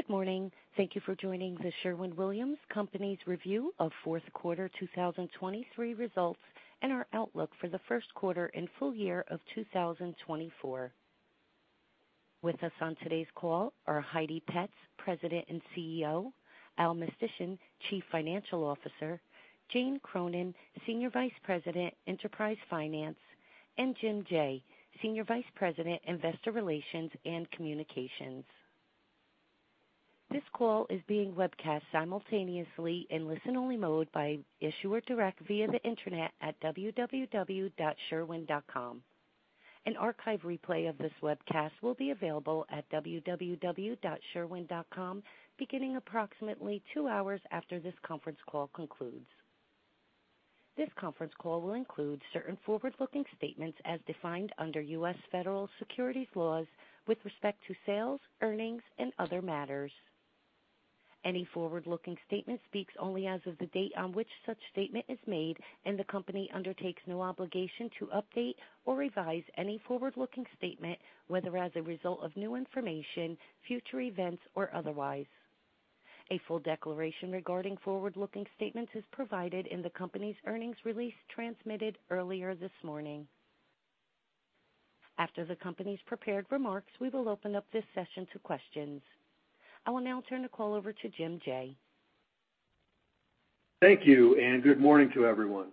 Good morning. Thank you for joining the Sherwin-Williams Company's review of fourth quarter 2023 results and our outlook for the first quarter and full year of 2024. With us on today's call are Heidi Petz, President and CEO, Al Mistysyn, Chief Financial Officer, Jane Cronin, Senior Vice President, Enterprise Finance, and Jim Jaye, Senior Vice President, Investor Relations and Communications. This call is being webcast simultaneously in listen-only mode by Issuer Direct via the Internet at www.sherwin.com. An archive replay of this webcast will be available at www.sherwin.com, beginning approximately two hours after this conference call concludes. This conference call will include certain forward-looking statements as defined under U.S. Federal Securities laws with respect to sales, earnings, and other matters. Any forward-looking statement speaks only as of the date on which such statement is made, and the Company undertakes no obligation to update or revise any forward-looking statement, whether as a result of new information, future events, or otherwise. A full declaration regarding forward-looking statements is provided in the company's earnings release transmitted earlier this morning. After the company's prepared remarks, we will open up this session to questions. I will now turn the call over to Jim Jaye. Thank you, and good morning to everyone.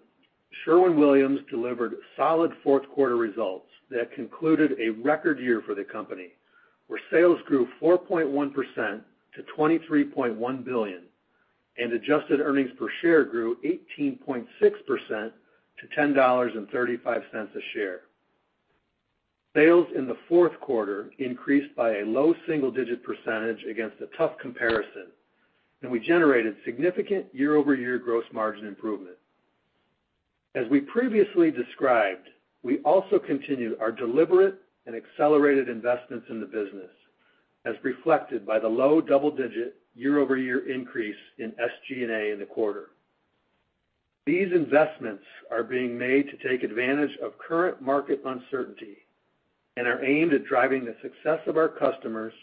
Sherwin-Williams delivered solid fourth quarter results that concluded a record year for the company, where sales grew 4.1% to $23.1 billion, and adjusted earnings per share grew 18.6% to $10.35 a share. Sales in the fourth quarter increased by a low single-digit % against a tough comparison, and we generated significant year-over-year gross margin improvement. As we previously described, we also continued our deliberate and accelerated investments in the business, as reflected by the low double-digit year-over-year increase in SG&A in the quarter. These investments are being made to take advantage of current market uncertainty and are aimed at driving the success of our customers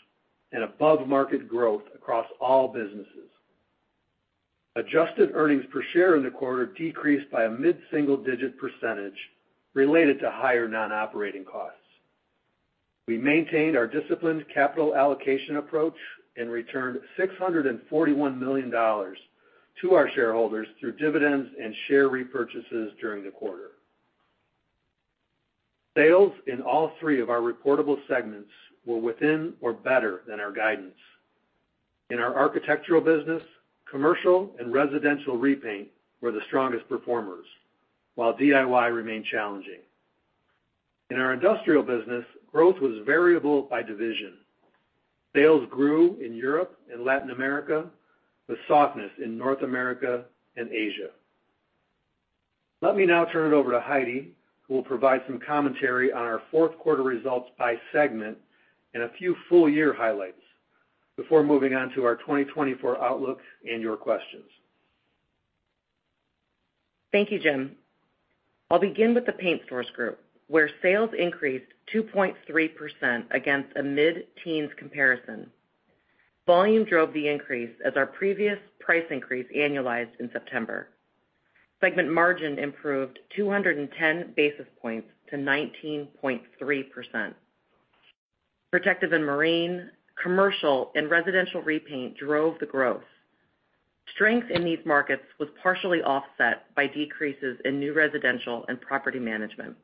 and above-market growth across all businesses. Adjusted earnings per share in the quarter decreased by a mid-single-digit % related to higher non-operating costs. We maintained our disciplined capital allocation approach and returned $641 million to our shareholders through dividends and share repurchases during the quarter. Sales in all three of our reportable segments were within or better than our guidance. In our architectural business, commercial and residential repaint were the strongest performers, while DIY remained challenging. In our industrial business, growth was variable by division. Sales grew in Europe and Latin America, with softness in North America and Asia. Let me now turn it over to Heidi, who will provide some commentary on our fourth quarter results by segment and a few full-year highlights before moving on to our 2024 outlook and your questions. Thank you, Jim. I'll begin with the Paint Stores Group, where sales increased 2.3% against a mid-teens comparison. Volume drove the increase as our previous price increase annualized in September. Segment margin improved 210 basis points to 19.3%. Protective and marine, commercial, and residential repaint drove the growth. Strength in these markets was partially offset by decreases in new residential and property management.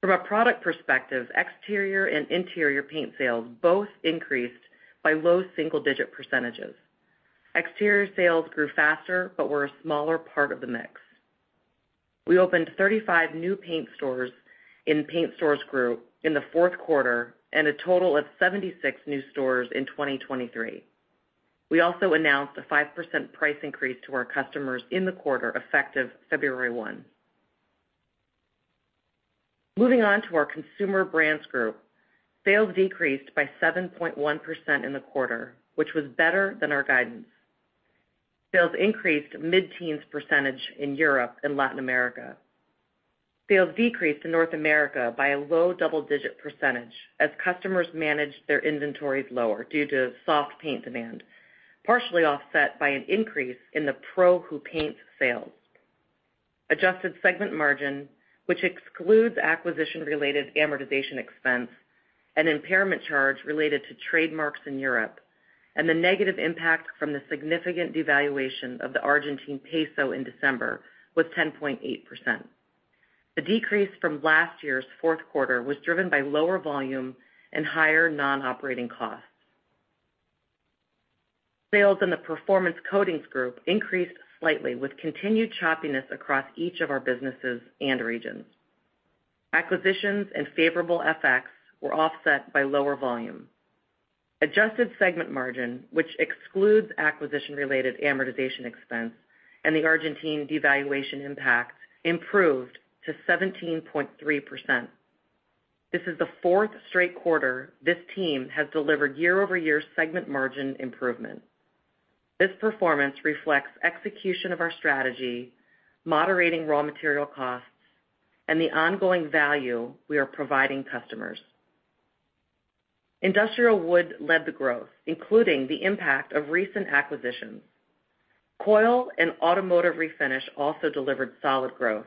From a product perspective, exterior and interior paint sales both increased by low single-digit percentages. Exterior sales grew faster but were a smaller part of the mix. We opened 35 new paint stores in Paint Stores Group in the fourth quarter and a total of 76 new stores in 2023. We also announced a 5% price increase to our customers in the quarter, effective February 1. Moving on to our Consumer Brands Group, sales decreased by 7.1% in the quarter, which was better than our guidance. Sales increased mid-teens % in Europe and Latin America. Sales decreased in North America by a low double-digit % as customers managed their inventories lower due to soft paint demand, partially offset by an increase in the Pros Who Paint sales. Adjusted segment margin, which excludes acquisition-related amortization expense and impairment charge related to trademarks in Europe, and the negative impact from the significant devaluation of the Argentine peso in December, was 10.8%. The decrease from last year's fourth quarter was driven by lower volume and higher non-operating costs. Sales in the Performance Coatings Group increased slightly, with continued choppiness across each of our businesses and regions. Acquisitions and favorable FX were offset by lower volume. Adjusted segment margin, which excludes acquisition-related amortization expense and the Argentine devaluation impact, improved to 17.3%. This is the fourth straight quarter this team has delivered year-over-year segment margin improvement. This performance reflects execution of our strategy, moderating raw material costs, and the ongoing value we are providing customers. Industrial wood led the growth, including the impact of recent acquisitions. Coil and automotive refinish also delivered solid growth.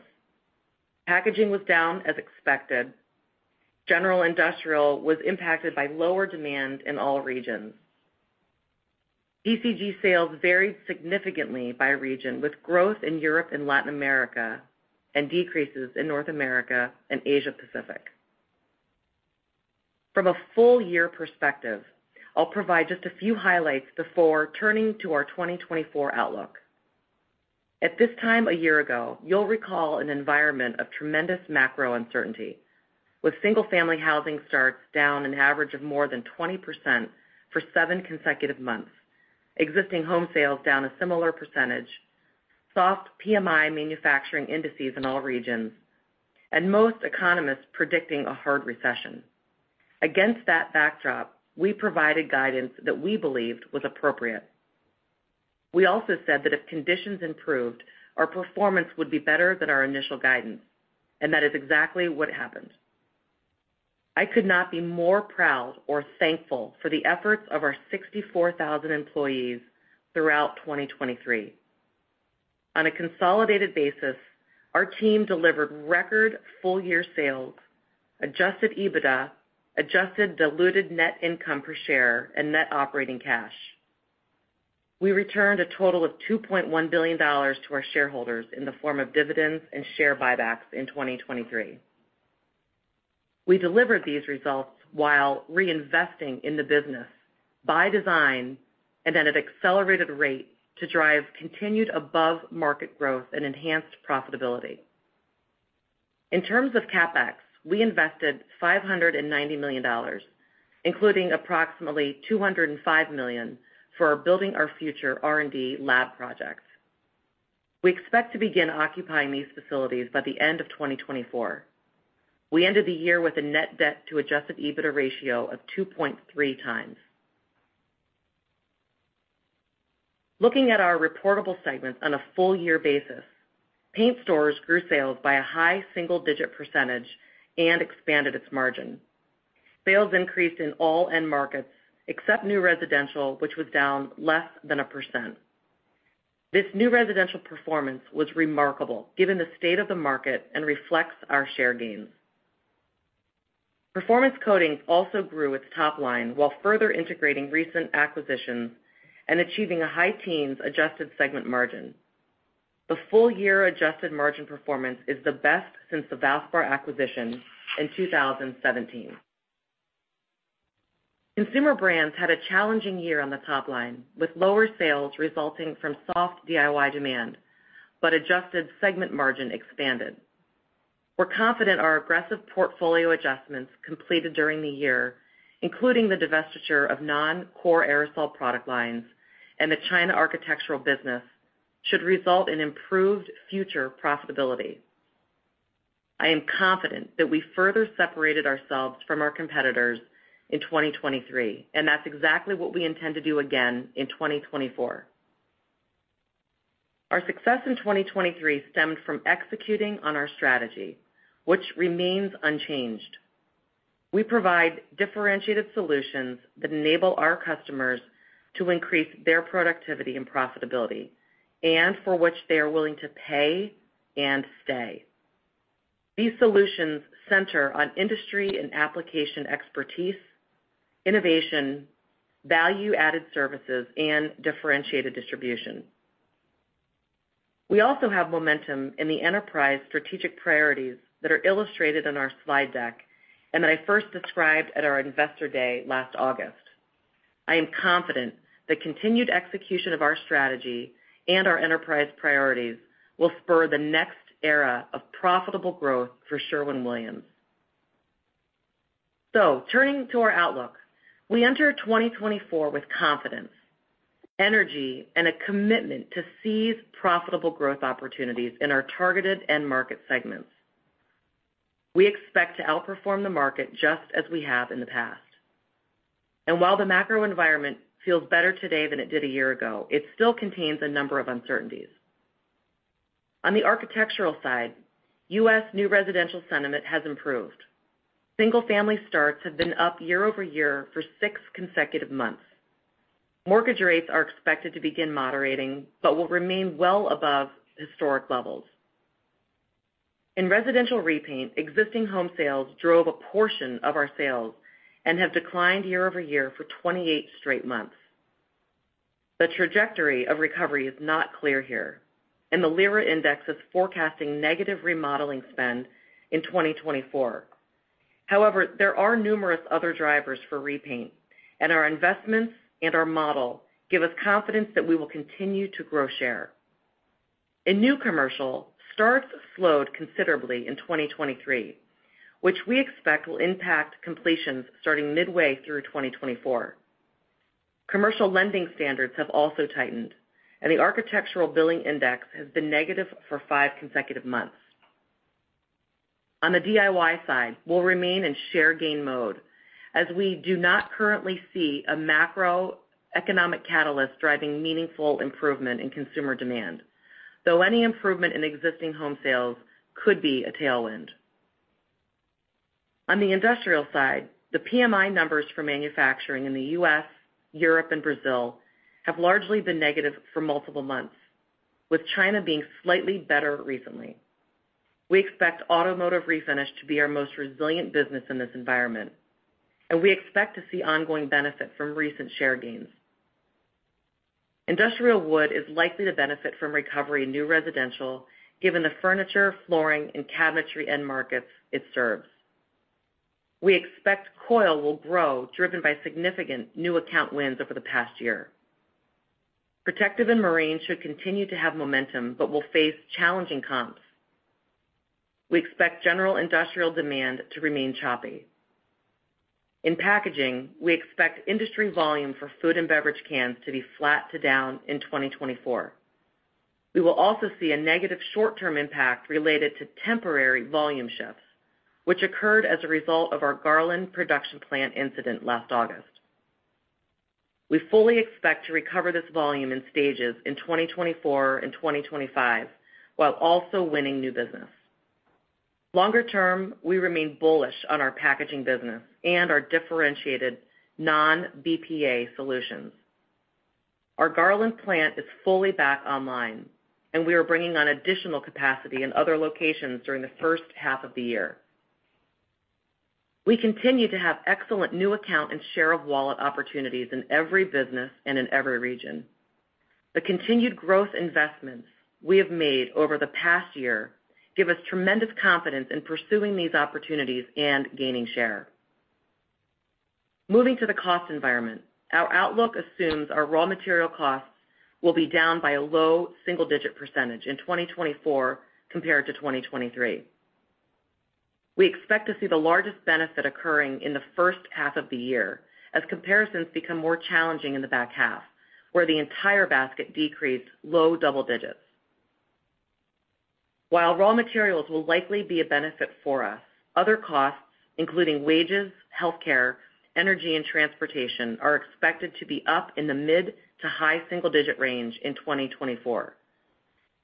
Packaging was down as expected. General Industrial was impacted by lower demand in all regions. PCG sales varied significantly by region, with growth in Europe and Latin America and decreases in North America and Asia Pacific. From a full-year perspective, I'll provide just a few highlights before turning to our 2024 outlook. At this time a year ago, you'll recall an environment of tremendous macro uncertainty, with single-family housing starts down an average of more than 20% for seven consecutive months, existing home sales down a similar percentage, soft PMI manufacturing indices in all regions, and most economists predicting a hard recession. Against that backdrop, we provided guidance that we believed was appropriate. We also said that if conditions improved, our performance would be better than our initial guidance, and that is exactly what happened. I could not be more proud or thankful for the efforts of our 64,000 employees throughout 2023. On a consolidated basis, our team delivered record full-year sales, adjusted EBITDA, adjusted diluted net income per share, and net operating cash. We returned a total of $2.1 billion to our shareholders in the form of dividends and share buybacks in 2023. We delivered these results while reinvesting in the business by design and at an accelerated rate to drive continued above-market growth and enhanced profitability. In terms of CapEx, we invested $590 million, including approximately $205 million for our Building Our Future R&D lab projects. We expect to begin occupying these facilities by the end of 2024. We ended the year with a net debt to Adjusted EBITDA ratio of 2.3x. Looking at our reportable segments on a full-year basis, Paint Stores grew sales by a high single-digit % and expanded its margin. Sales increased in all end markets, except new residential, which was down less than 1%. This new residential performance was remarkable given the state of the market, and reflects our share gains. Performance Coatings also grew its top line while further integrating recent acquisitions and achieving a high teens adjusted segment margin. The full-year adjusted margin performance is the best since the Valspar acquisition in 2017. Consumer Brands had a challenging year on the top line, with lower sales resulting from soft DIY demand, but adjusted segment margin expanded. We're confident our aggressive portfolio adjustments completed during the year, including the divestiture of non-core aerosol product lines and the China architectural business, should result in improved future profitability. I am confident that we further separated ourselves from our competitors in 2023, and that's exactly what we intend to do again in 2024. Our success in 2023 stemmed from executing on our strategy, which remains unchanged. We provide differentiated solutions that enable our customers to increase their productivity and profitability, and for which they are willing to pay and stay. These solutions center on industry and application expertise, innovation, value-added services, and differentiated distribution. We also have momentum in the enterprise strategic priorities that are illustrated in our slide deck, and I first described at our Investor Day last August. I am confident that continued execution of our strategy and our enterprise priorities will spur the next era of profitable growth for Sherwin-Williams. Turning to our outlook, we enter 2024 with confidence, energy, and a commitment to seize profitable growth opportunities in our targeted end market segments. We expect to outperform the market just as we have in the past. While the macro environment feels better today than it did a year ago, it still contains a number of uncertainties. On the architectural side, U.S. new residential sentiment has improved. Single-family starts have been up year-over-year for six consecutive months. Mortgage rates are expected to begin moderating, but will remain well above historic levels. In residential repaint, existing home sales drove a portion of our sales and have declined year-over-year for 28 straight months. The trajectory of recovery is not clear here, and the LIRA Index is forecasting negative remodeling spend in 2024. However, there are numerous other drivers for repaint, and our investments and our model give us confidence that we will continue to grow share. In new commercial, starts slowed considerably in 2023, which we expect will impact completions starting midway through 2024. Commercial lending standards have also tightened, and the Architecture Billings Index has been negative for five consecutive months. On the DIY side, we'll remain in share gain mode, as we do not currently see a macroeconomic catalyst driving meaningful improvement in consumer demand, though any improvement in existing home sales could be a tailwind. On the industrial side, the PMI numbers for manufacturing in the U.S., Europe, and Brazil have largely been negative for multiple months, with China being slightly better recently. We expect automotive refinish to be our most resilient business in this environment, and we expect to see ongoing benefit from recent share gains. Industrial wood is likely to benefit from recovery in new residential, given the furniture, flooring, and cabinetry end markets it serves. We expect coil will grow, driven by significant new account wins over the past year. Protective and marine should continue to have momentum, but will face challenging comps. We expect general industrial demand to remain choppy. In packaging, we expect industry volume for food and beverage cans to be flat to down in 2024. We will also see a negative short-term impact related to temporary volume shifts, which occurred as a result of our Garland production plant incident last August. We fully expect to recover this volume in stages in 2024 and 2025, while also winning new business. Longer term, we remain bullish on our packaging business and our differentiated non-BPA solutions. Our Garland plant is fully back online, and we are bringing on additional capacity in other locations during the first half of the year. We continue to have excellent new account and share of wallet opportunities in every business and in every region. The continued growth investments we have made over the past year give us tremendous confidence in pursuing these opportunities and gaining share. Moving to the cost environment, our outlook assumes our raw material costs will be down by a low single-digit % in 2024 compared to 2023. We expect to see the largest benefit occurring in the first half of the year, as comparisons become more challenging in the back half, where the entire basket decreased low double digits. While raw materials will likely be a benefit for us, other costs, including wages, healthcare, energy, and transportation, are expected to be up in the mid to high single-digit range in 2024.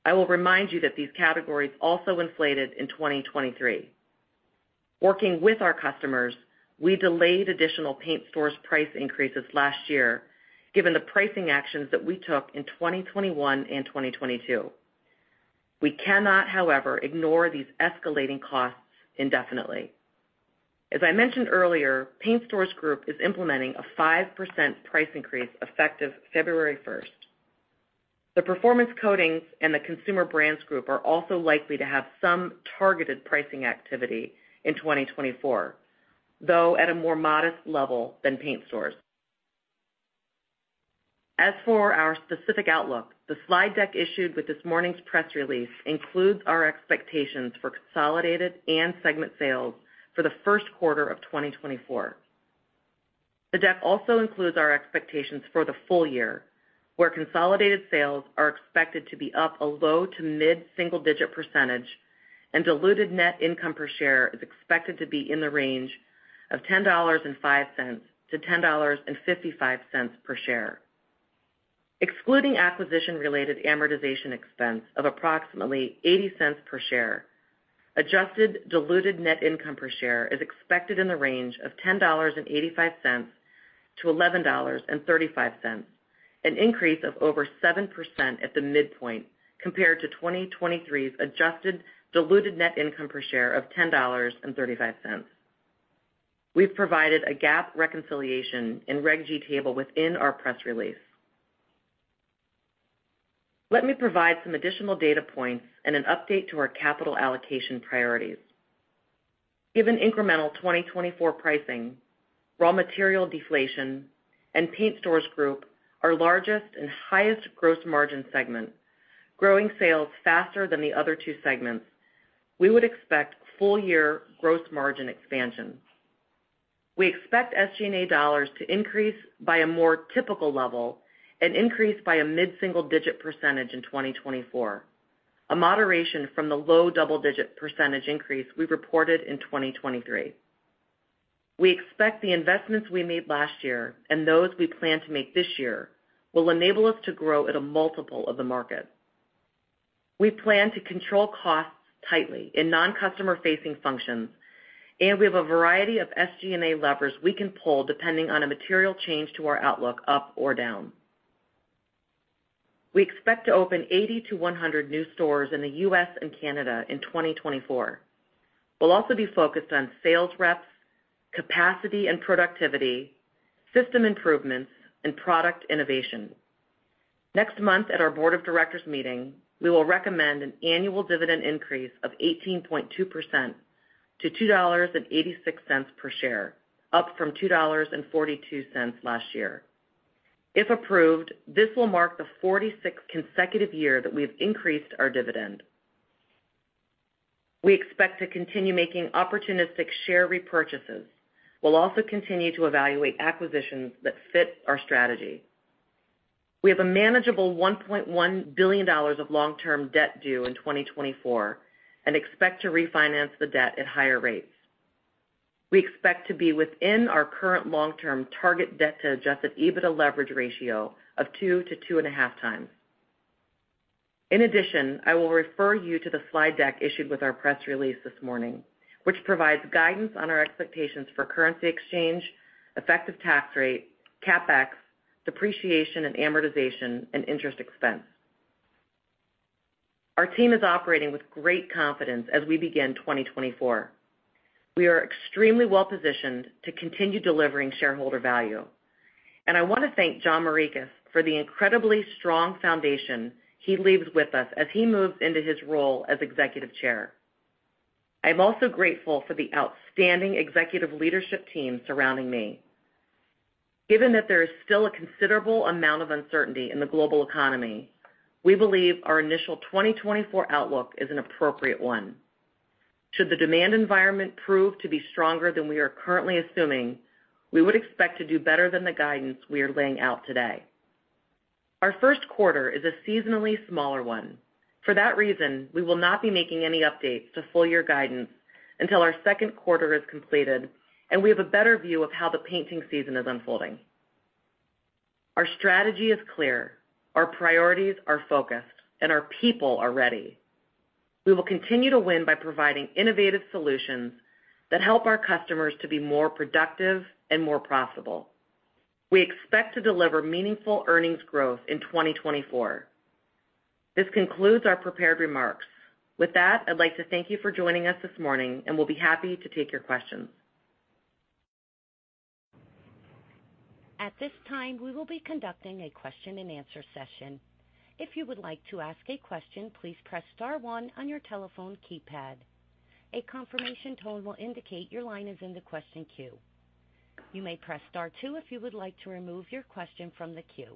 I will remind you that these categories also inflated in 2023. Working with our customers, we delayed additional paint stores price increases last year, given the pricing actions that we took in 2021 and 2022. We cannot, however, ignore these escalating costs indefinitely. As I mentioned earlier, Paint Stores Group is implementing a 5% price increase effective February 1. The Performance Coatings and the Consumer Brands Group are also likely to have some targeted pricing activity in 2024, though at a more modest level than Paint Stores. As for our specific outlook, the slide deck issued with this morning's press release includes our expectations for consolidated and segment sales for the first quarter of 2024. The deck also includes our expectations for the full year, where consolidated sales are expected to be up a low- to mid-single-digit %, and diluted net income per share is expected to be in the range of $10.05-$10.55 per share. Excluding acquisition-related amortization expense of approximately $0.80 per share, adjusted diluted net income per share is expected in the range of $10.85-$11.35, an increase of over 7% at the midpoint compared to 2023's adjusted diluted net income per share of $10.35. We've provided a GAAP reconciliation in Reg G table within our press release. Let me provide some additional data points and an update to our capital allocation priorities. Given incremental 2024 pricing, raw material deflation and Paint Stores Group, our largest and highest gross margin segment, growing sales faster than the other two segments, we would expect full year gross margin expansion. We expect SG&A dollars to increase by a more typical level and increase by a mid-single-digit % in 2024, a moderation from the low double-digit % increase we reported in 2023. We expect the investments we made last year and those we plan to make this year will enable us to grow at a multiple of the market. We plan to control costs tightly in non-customer-facing functions, and we have a variety of SG&A levers we can pull depending on a material change to our outlook, up or down. We expect to open 80-100 new stores in the U.S. and Canada in 2024. We'll also be focused on sales reps, capacity and productivity, system improvements, and product innovation. Next month, at our board of directors meeting, we will recommend an annual dividend increase of 18.2% to $2.86 per share, up from $2.42 last year. If approved, this will mark the 46th consecutive year that we have increased our dividend. We expect to continue making opportunistic share repurchases. We'll also continue to evaluate acquisitions that fit our strategy... We have a manageable $1.1 billion of long-term debt due in 2024, and expect to refinance the debt at higher rates. We expect to be within our current long-term target debt to adjusted EBITDA leverage ratio of 2-2.5x. In addition, I will refer you to the slide deck issued with our press release this morning, which provides guidance on our expectations for currency exchange, effective tax rate, CapEx, depreciation and amortization, and interest expense. Our team is operating with great confidence as we begin 2024. We are extremely well-positioned to continue delivering shareholder value, and I want to thank John Morikis for the incredibly strong foundation he leaves with us as he moves into his role as Executive Chair. I'm also grateful for the outstanding executive leadership team surrounding me. Given that there is still a considerable amount of uncertainty in the global economy, we believe our initial 2024 outlook is an appropriate one. Should the demand environment prove to be stronger than we are currently assuming, we would expect to do better than the guidance we are laying out today. Our first quarter is a seasonally smaller one. For that reason, we will not be making any updates to full year guidance until our second quarter is completed, and we have a better view of how the painting season is unfolding. Our strategy is clear, our priorities are focused, and our people are ready. We will continue to win by providing innovative solutions that help our customers to be more productive and more profitable. We expect to deliver meaningful earnings growth in 2024. This concludes our prepared remarks. With that, I'd like to thank you for joining us this morning, and we'll be happy to take your questions. At this time, we will be conducting a question-and-answer session. If you would like to ask a question, please press star one on your telephone keypad. A confirmation tone will indicate your line is in the question queue. You may press star two if you would like to remove your question from the queue.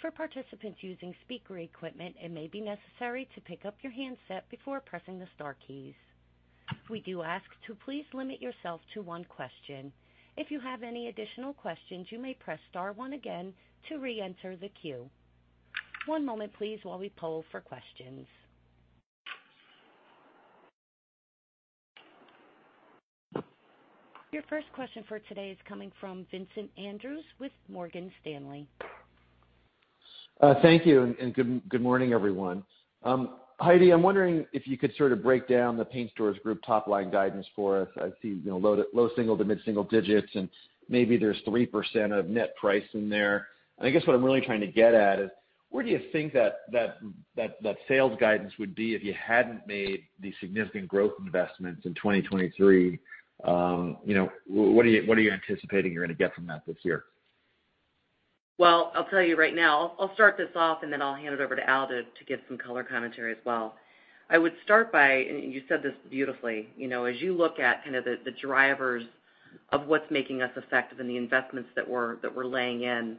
For participants using speaker equipment, it may be necessary to pick up your handset before pressing the star keys. We do ask to please limit yourself to one question. If you have any additional questions, you may press star one again to reenter the queue. One moment, please, while we poll for questions. Your first question for today is coming from Vincent Andrews with Morgan Stanley. Thank you, and good morning, everyone. Heidi, I'm wondering if you could sort of break down the Paint Stores Group top-line guidance for us. I see, you know, low-single to mid-single digits, and maybe there's 3% of net price in there. I guess what I'm really trying to get at is, where do you think that sales guidance would be if you hadn't made the significant growth investments in 2023? You know, what are you anticipating you're gonna get from that this year? Well, I'll tell you right now. I'll start this off, and then I'll hand it over to Al to give some color commentary as well. I would start by, and you said this beautifully, you know, as you look at kind of the drivers of what's making us effective and the investments that we're laying in.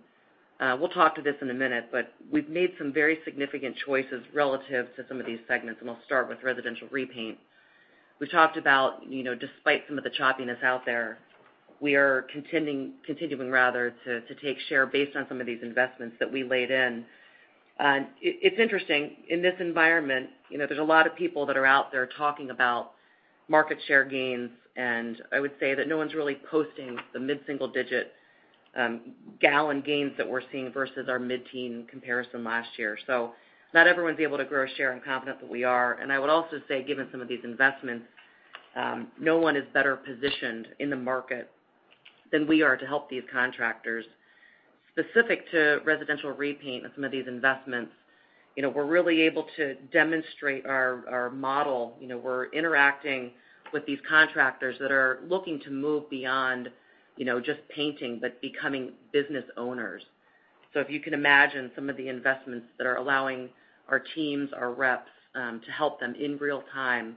We'll talk to this in a minute, but we've made some very significant choices relative to some of these segments, and I'll start with residential repaint. We talked about, you know, despite some of the choppiness out there, we are continuing rather to take share based on some of these investments that we laid in. It's interesting, in this environment, you know, there's a lot of people that are out there talking about market share gains, and I would say that no one's really posting the mid-single digit gallon gains that we're seeing versus our mid-teen comparison last year. So not everyone's able to grow share. I'm confident that we are, and I would also say, given some of these investments, no one is better positioned in the market than we are to help these contractors. Specific to residential repaint and some of these investments, you know, we're really able to demonstrate our model. You know, we're interacting with these contractors that are looking to move beyond, you know, just painting, but becoming business owners. So if you can imagine some of the investments that are allowing our teams, our reps, to help them in real time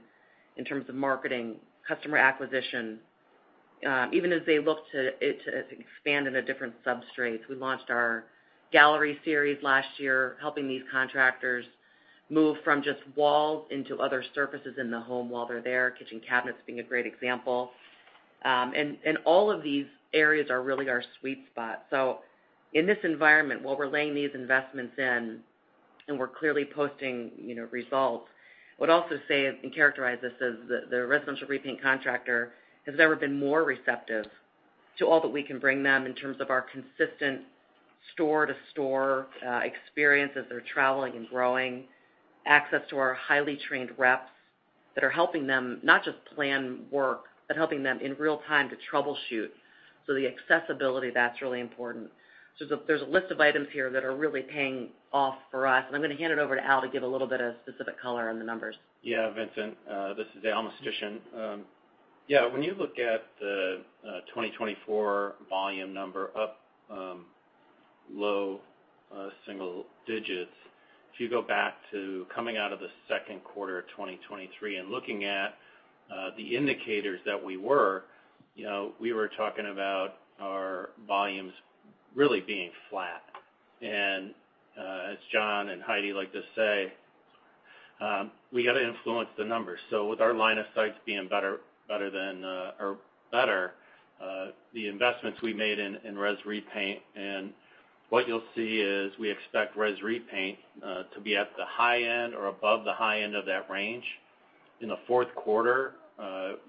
in terms of marketing, customer acquisition, even as they look to it, to expand into different substrates. We launched our Gallery Series last year, helping these contractors move from just walls into other surfaces in the home while they're there, kitchen cabinets being a great example. And all of these areas are really our sweet spot. So in this environment, while we're laying these investments in, and we're clearly posting, you know, results, I would also say and characterize this as the residential repaint contractor has never been more receptive to all that we can bring them in terms of our consistent store-to-store experience as they're traveling and growing, access to our highly trained reps that are helping them not just plan work, but helping them in real time to troubleshoot. So the accessibility, that's really important. So there's a list of items here that are really paying off for us, and I'm gonna hand it over to Al to give a little bit of specific color on the numbers. Yeah, Vincent, this is Al Mistysyn. Yeah, when you look at the 2024 volume number up low single digits, if you go back to coming out of the second quarter of 2023 and looking at the indicators that we were, you know, we were talking about our volumes really being flat. And as John and Heidi like to say, we got to influence the numbers. So with our line of sights being better than or better the investments we made in resi repaint, and what you'll see is we expect resi repaint to be at the high end or above the high end of that range. In the fourth quarter,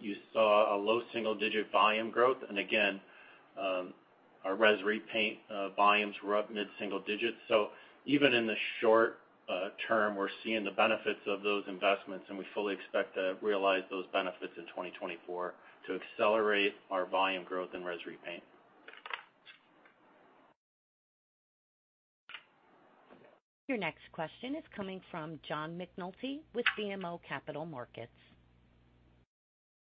you saw a low single-digit volume growth, and again, our resi repaint volumes were up mid single digits. So even in the short term, we're seeing the benefits of those investments, and we fully expect to realize those benefits in 2024 to accelerate our volume growth in Resi repaint. Your next question is coming from John McNulty with BMO Capital Markets.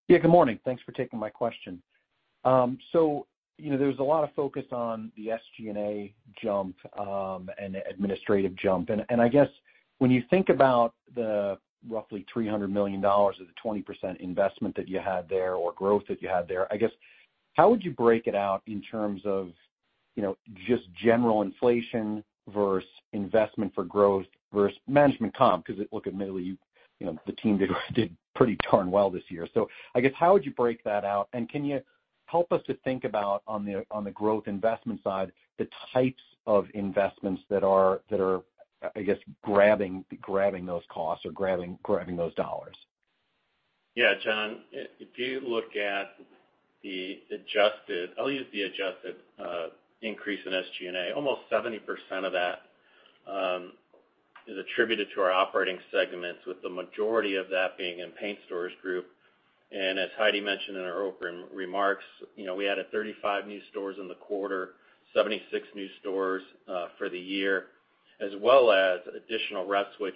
Yeah, good morning. Thanks for taking my question. So, you know, there's a lot of focus on the SG&A jump, and the administrative jump. And, and I guess when you think about the roughly $300 million or the 20% investment that you had there, or growth that you had there, I guess, how would you break it out in terms of, you know, just general inflation versus investment for growth versus management comp? Because, look, admittedly, you know, the team did, did pretty darn well this year. So I guess, how would you break that out? And can you help us to think about on the, on the growth investment side, the types of investments that are, that are, I guess, grabbing, grabbing those costs or grabbing, grabbing those dollars? Yeah, John, if you look at the adjusted. I'll use the adjusted increase in SG&A. Almost 70% of that is attributed to our operating segments, with the majority of that being in Paint Stores Group. And as Heidi mentioned in her opening remarks, you know, we added 35 new stores in the quarter, 76 new stores for the year, as well as additional reps, which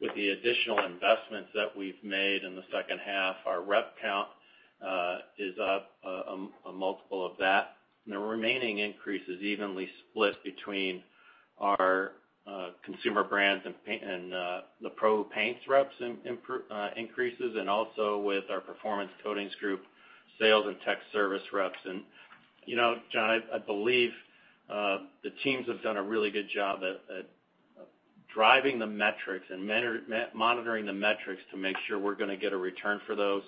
with the additional investments that we've made in the second half, our rep count is up a multiple of that. And the remaining increase is evenly split between our consumer brands and paint and the pro paints reps improvements, and also with our Performance Coatings Group, sales and tech service reps. You know, John, I believe the teams have done a really good job at driving the metrics and monitoring the metrics to make sure we're gonna get a return for those.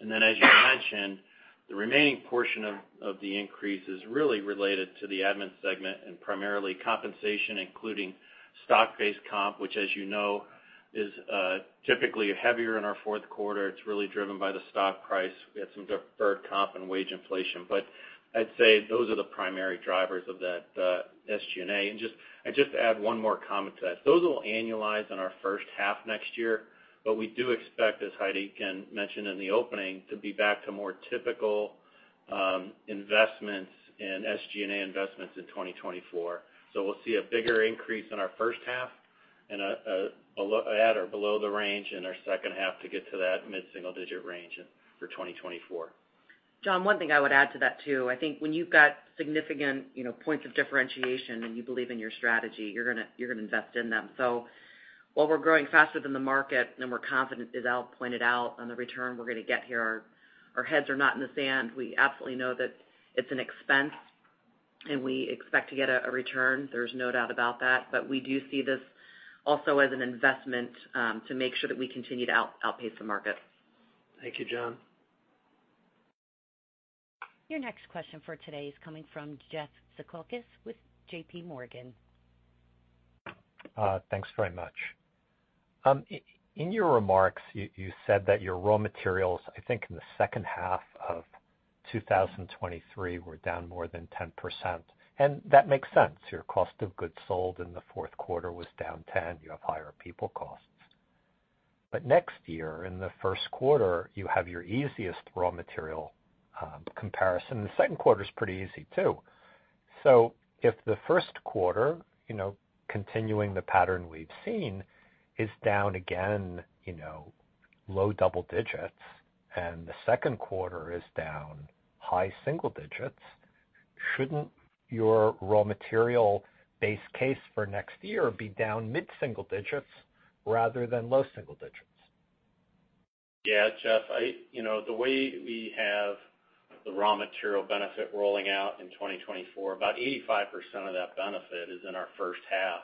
And then, as you mentioned, the remaining portion of the increase is really related to the admin segment and primarily compensation, including stock-based comp, which, as you know, is typically heavier in our fourth quarter. It's really driven by the stock price. We had some deferred comp and wage inflation, but I'd say those are the primary drivers of that SG&A. I'd just add one more comment to that. Those will annualize in our first half next year, but we do expect, as Heidi again mentioned in the opening, to be back to more typical investments in SG&A investments in 2024. So we'll see a bigger increase in our first half and at or below the range in our second half to get to that mid-single-digit range for 2024. John, one thing I would add to that, too. I think when you've got significant, you know, points of differentiation and you believe in your strategy, you're gonna invest in them. So while we're growing faster than the market, and we're confident, as Al pointed out, on the return we're gonna get here, our heads are not in the sand. We absolutely know that it's an expense, and we expect to get a return. There's no doubt about that. But we do see this also as an investment to make sure that we continue to outpace the market. Thank you, John. Your next question for today is coming from Jeff Zekauskas with JPMorgan. Thanks very much. In your remarks, you said that your raw materials, I think in the second half of 2023, were down more than 10%, and that makes sense. Your cost of goods sold in the fourth quarter was down 10%. You have higher people costs. But next year, in the first quarter, you have your easiest raw material comparison. The second quarter is pretty easy, too. So if the first quarter, you know, continuing the pattern we've seen, is down again, you know, low double digits, and the second quarter is down high single digits, shouldn't your raw material base case for next year be down mid-single digits rather than low single digits? Yeah, Jeff. You know, the way we have the raw material benefit rolling out in 2024, about 85% of that benefit is in our first half.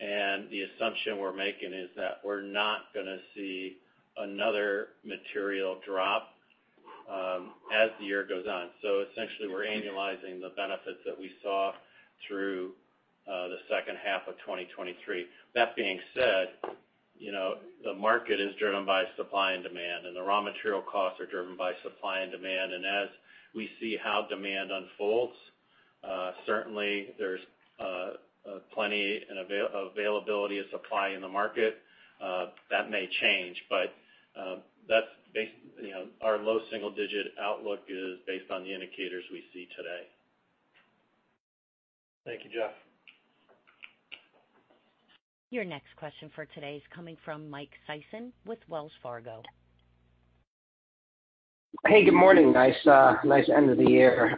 And the assumption we're making is that we're not gonna see another material drop as the year goes on. So essentially, we're annualizing the benefits that we saw through the second half of 2023. That being said, you know, the market is driven by supply and demand, and the raw material costs are driven by supply and demand. And as we see how demand unfolds, certainly there's plenty and availability of supply in the market. That may change, but that's. You know, our low single-digit outlook is based on the indicators we see today. Thank you, Jeff. Your next question for today is coming from Mike Sison with Wells Fargo. Hey, good morning. Nice, nice end of the year.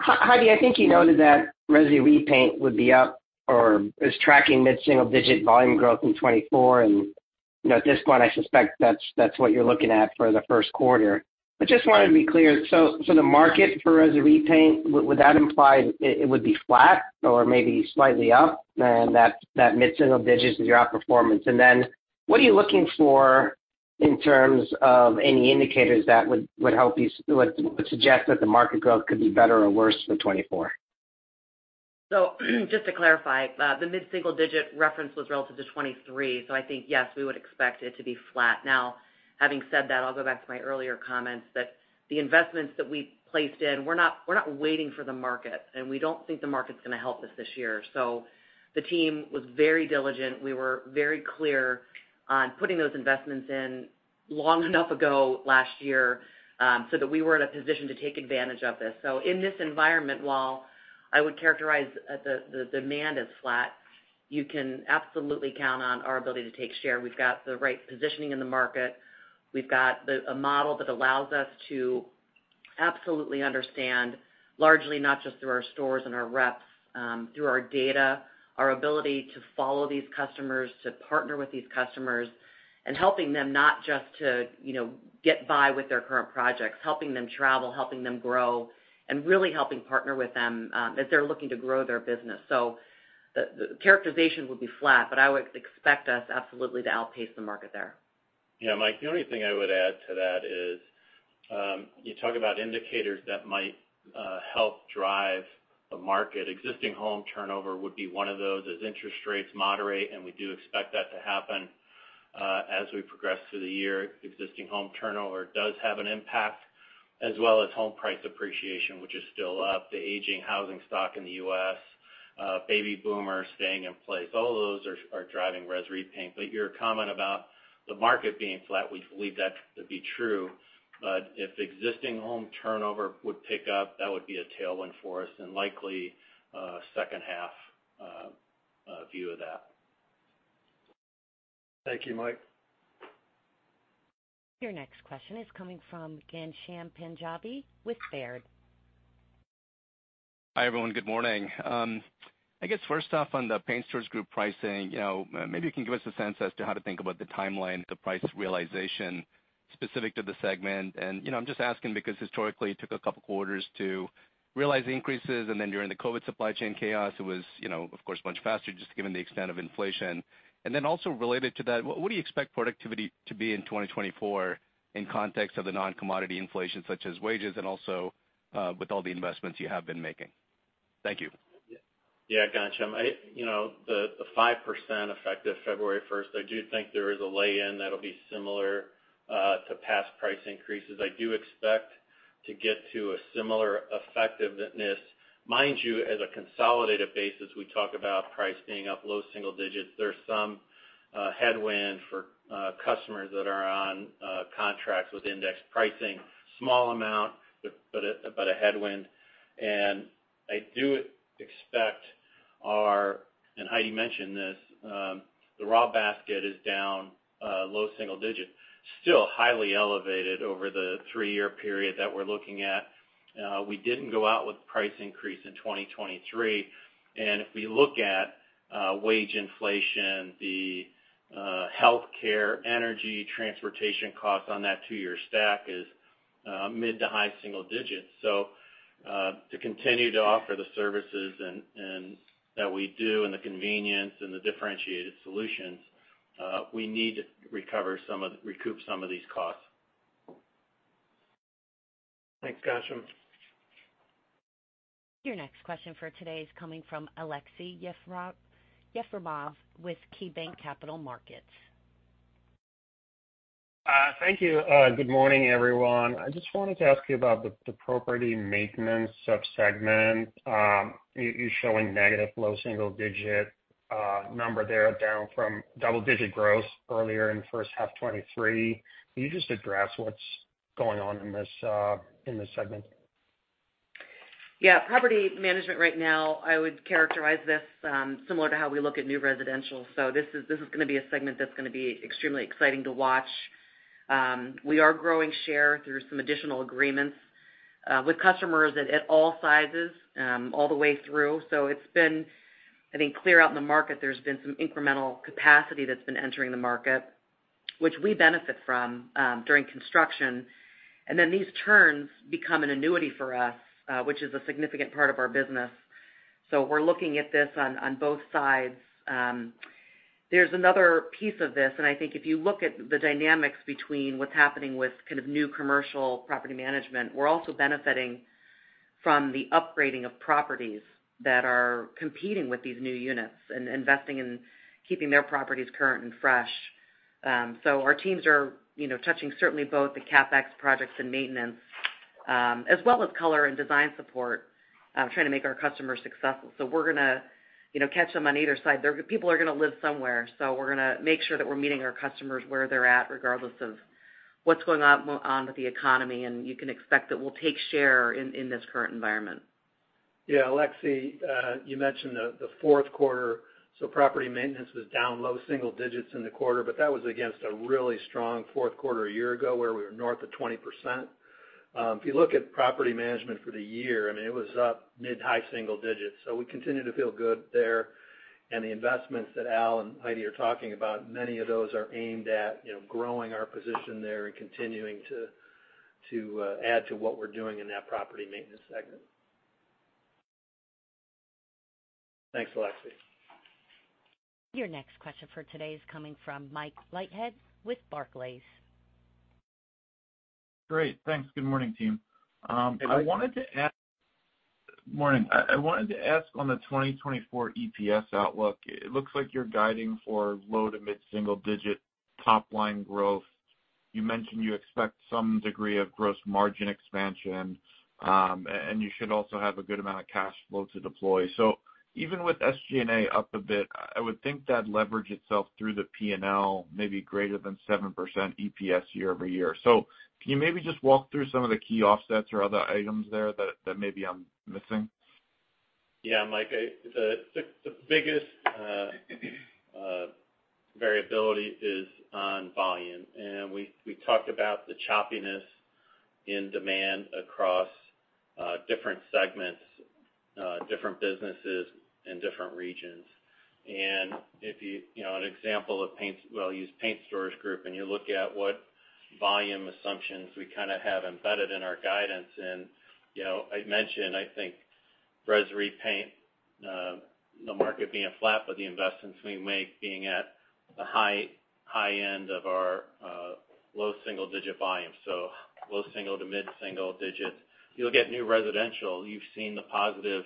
Heidi, I think you noted that Resi Repaint would be up or is tracking mid-single digit volume growth in 2024, and, you know, at this point, I suspect that's, that's what you're looking at for the first quarter. I just wanted to be clear. So, the market for resi repaint, would that imply it would be flat or maybe slightly up, and that mid single digits is your outperformance? And then what are you looking for in terms of any indicators that would help you suggest that the market growth could be better or worse for 2024? So just to clarify, the mid-single digit reference was relative to 2023, so I think, yes, we would expect it to be flat. Now, having said that, I'll go back to my earlier comments, that the investments that we placed in, we're not, we're not waiting for the market, and we don't think the market's gonna help us this year. So the team was very diligent. We were very clear on putting those investments in long enough ago last year, so that we were in a position to take advantage of this. So in this environment, while I would characterize the, the demand as flat, you can absolutely count on our ability to take share. We've got the right positioning in the market. We've got a model that allows us to absolutely understand, largely, not just through our stores and our reps, through our data, our ability to follow these customers, to partner with these customers, and helping them not just to, you know, get by with their current projects, helping them travel, helping them grow, and really helping partner with them, as they're looking to grow their business. So the characterization would be flat, but I would expect us absolutely to outpace the market there. Yeah, Mike, the only thing I would add to that is, you talk about indicators that might help drive the market. Existing home turnover would be one of those. As interest rates moderate, and we do expect that to happen, as we progress through the year, existing home turnover does have an impact, as well as home price appreciation, which is still up. The aging housing stock in the U.S., baby boomer staying in place, all those are driving Resi repaint. But your comment about the market being flat, we believe that to be true. But if existing home turnover would pick up, that would be a tailwind for us and likely a second half, view of that. Thank you, Mike. Your next question is coming from Ghansham Panjabi with Baird. Hi, everyone. Good morning. I guess first off, on the Paint Stores Group pricing, you know, maybe you can give us a sense as to how to think about the timeline to price realization specific to the segment. And, you know, I'm just asking because historically, it took a couple of quarters to realize the increases, and then during the COVID supply chain chaos, it was, you know, of course, much faster, just given the extent of inflation. And then also related to that, what do you expect productivity to be in 2024 in context of the non-commodity inflation, such as wages, and also, with all the investments you have been making? Thank you. Yeah, Ghansham, You know, the 5% effective February first, I do think there is a lay-in that'll be similar to past price increases. I do expect to get to a similar effectiveness. Mind you, as a consolidated basis, we talk about price being up low single digits. There's some headwind for customers that are on contracts with index pricing. Small amount, but a headwind. And I do expect our, and Heidi mentioned this, the raw basket is down low single digits, still highly elevated over the three-year period that we're looking at. We didn't go out with price increase in 2023, and if we look at wage inflation, the healthcare, energy, transportation costs on that two year stack is mid to high single digits. To continue to offer the services and that we do and the convenience and the differentiated solutions, we need to recoup some of these costs. Thanks, Ghansham. Your next question for today is coming from Aleksey Yefremov with KeyBanc Capital Markets. Thank you. Good morning, everyone. I just wanted to ask you about the property maintenance subsegment. You're showing negative low single digit number there, down from double-digit growth earlier in first half 2023. Can you just address what's going on in this segment? Yeah. Property management right now, I would characterize this similar to how we look at new residential. So this is gonna be a segment that's gonna be extremely exciting to watch. We are growing share through some additional agreements with customers at all sizes, all the way through. So it's been, I think, clear out in the market, there's been some incremental capacity that's been entering the market, which we benefit from during construction. And then these turns become an annuity for us, which is a significant part of our business. So we're looking at this on both sides. There's another piece of this, and I think if you look at the dynamics between what's happening with kind of new commercial property management, we're also benefiting from the upgrading of properties that are competing with these new units and investing in keeping their properties current and fresh. So our teams are, you know, touching certainly both the CapEx projects and maintenance, as well as color and design support, trying to make our customers successful. So we're gonna, you know, catch them on either side. People are gonna live somewhere, so we're gonna make sure that we're meeting our customers where they're at, regardless of what's going on, on with the economy, and you can expect that we'll take share in, in this current environment. Yeah, Aleksey, you mentioned the fourth quarter. So property maintenance was down low single digits in the quarter, but that was against a really strong fourth quarter a year ago, where we were north of 20%.... If you look at property management for the year, I mean, it was up mid-high single digits, so we continue to feel good there. And the investments that Al and Heidi are talking about, many of those are aimed at, you know, growing our position there and continuing to add to what we're doing in that property maintenance segment. Thanks, Aleksey. Your next question for today is coming from Mike Leithead with Barclays. Great. Thanks. Good morning, team. I wanted to ask- Morning. Morning. I wanted to ask on the 2024 EPS outlook, it looks like you're guiding for low- to mid-single-digit top-line growth. You mentioned you expect some degree of gross margin expansion, and you should also have a good amount of cash flow to deploy. So even with SG&A up a bit, I would think that leverage itself through the P&L may be greater than 7% EPS year-over-year. So can you maybe just walk through some of the key offsets or other items there that maybe I'm missing? Yeah, Mike, the biggest variability is on volume, and we talked about the choppiness in demand across different segments, different businesses in different regions. And if you, you know, an example of paints, well, use Paint Stores Group, and you look at what volume assumptions we kind of have embedded in our guidance. And, you know, I'd mention, I think, Resi repaint, the market being flat, but the investments we make being at the high end of our low single digit volume, so low single to mid-single digit. You'll get new residential. You've seen the positive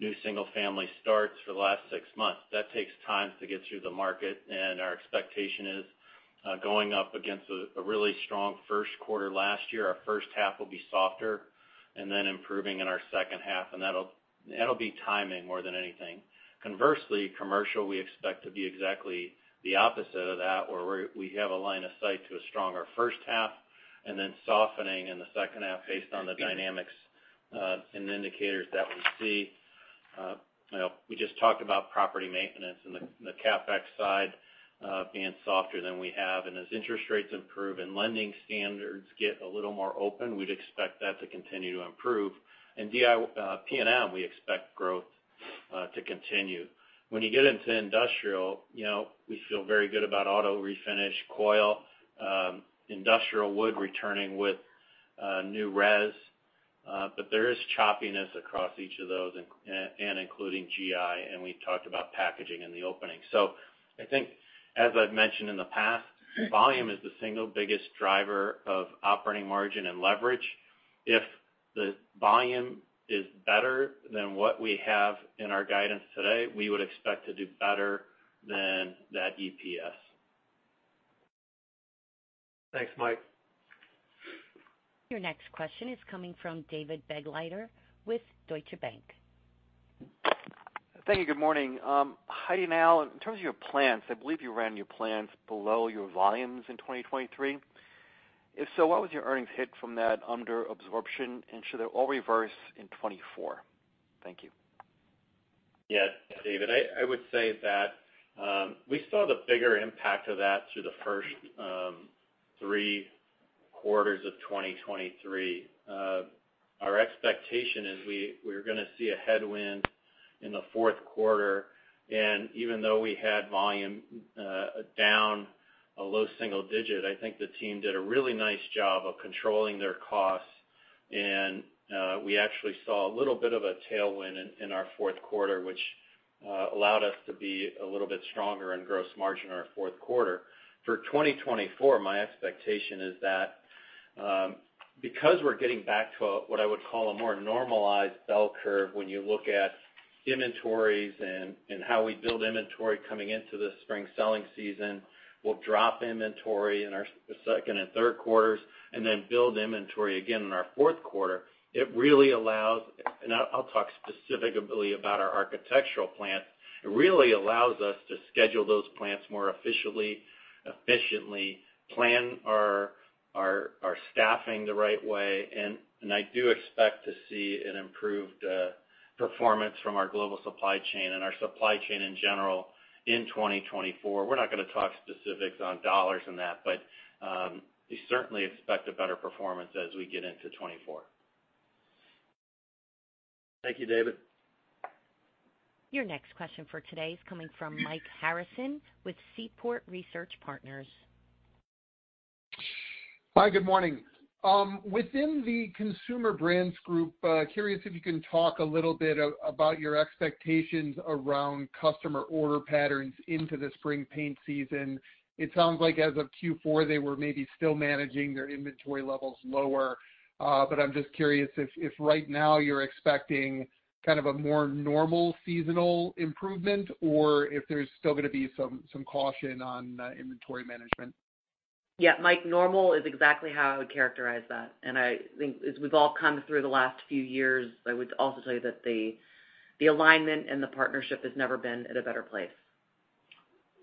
new single-family starts for the last six months. That takes time to get through the market, and our expectation is going up against a really strong first quarter last year. Our first half will be softer and then improving in our second half, and that'll be timing more than anything. Conversely, commercial, we expect to be exactly the opposite of that, where we have a line of sight to a stronger first half and then softening in the second half based on the dynamics and indicators that we see. You know, we just talked about property maintenance and the CapEx side being softer than we have. And as interest rates improve and lending standards get a little more open, we'd expect that to continue to improve. In The P&M, we expect growth to continue. When you get into industrial, you know, we feel very good about auto refinish, coil, industrial wood returning with new res, but there is choppiness across each of those, in- and including GI, and we've talked about packaging in the opening. So I think, as I've mentioned in the past, volume is the single biggest driver of operating margin and leverage. If the volume is better than what we have in our guidance today, we would expect to do better than that EPS. Thanks, Mike. Your next question is coming from David Begleiter with Deutsche Bank. Thank you. Good morning. Heidi, now, in terms of your plants, I believe you ran your plants below your volumes in 2023. If so, what was your earnings hit from that under absorption, and should it all reverse in 2024? Thank you. Yeah, David, I would say that we saw the bigger impact of that through the first three quarters of 2023. Our expectation is we're gonna see a headwind in the fourth quarter, and even though we had volume down a low single digit, I think the team did a really nice job of controlling their costs. And we actually saw a little bit of a tailwind in our fourth quarter, which allowed us to be a little bit stronger in gross margin in our fourth quarter. For 2024, my expectation is that, because we're getting back to a, what I would call a more normalized bell curve, when you look at inventories and how we build inventory coming into the spring selling season, we'll drop inventory in our second and third quarters and then build inventory again in our fourth quarter. It really allows... And I, I'll talk specifically about our architectural plant. It really allows us to schedule those plants more efficiently, plan our staffing the right way, and I do expect to see an improved performance from our global supply chain and our supply chain in general in 2024. We're not gonna talk specifics on dollars in that, but, we certainly expect a better performance as we get into 2024. Thank you, David. Your next question for today is coming from Mike Harrison with Seaport Research Partners. Hi, good morning. Within the Consumer Brands Group, curious if you can talk a little bit about your expectations around customer order patterns into the spring paint season. It sounds like as of Q4, they were maybe still managing their inventory levels lower. But I'm just curious if right now you're expecting kind of a more normal seasonal improvement, or if there's still gonna be some caution on inventory management. Yeah, Mike, normal is exactly how I would characterize that, and I think as we've all come through the last few years, I would also tell you that the alignment and the partnership has never been at a better place.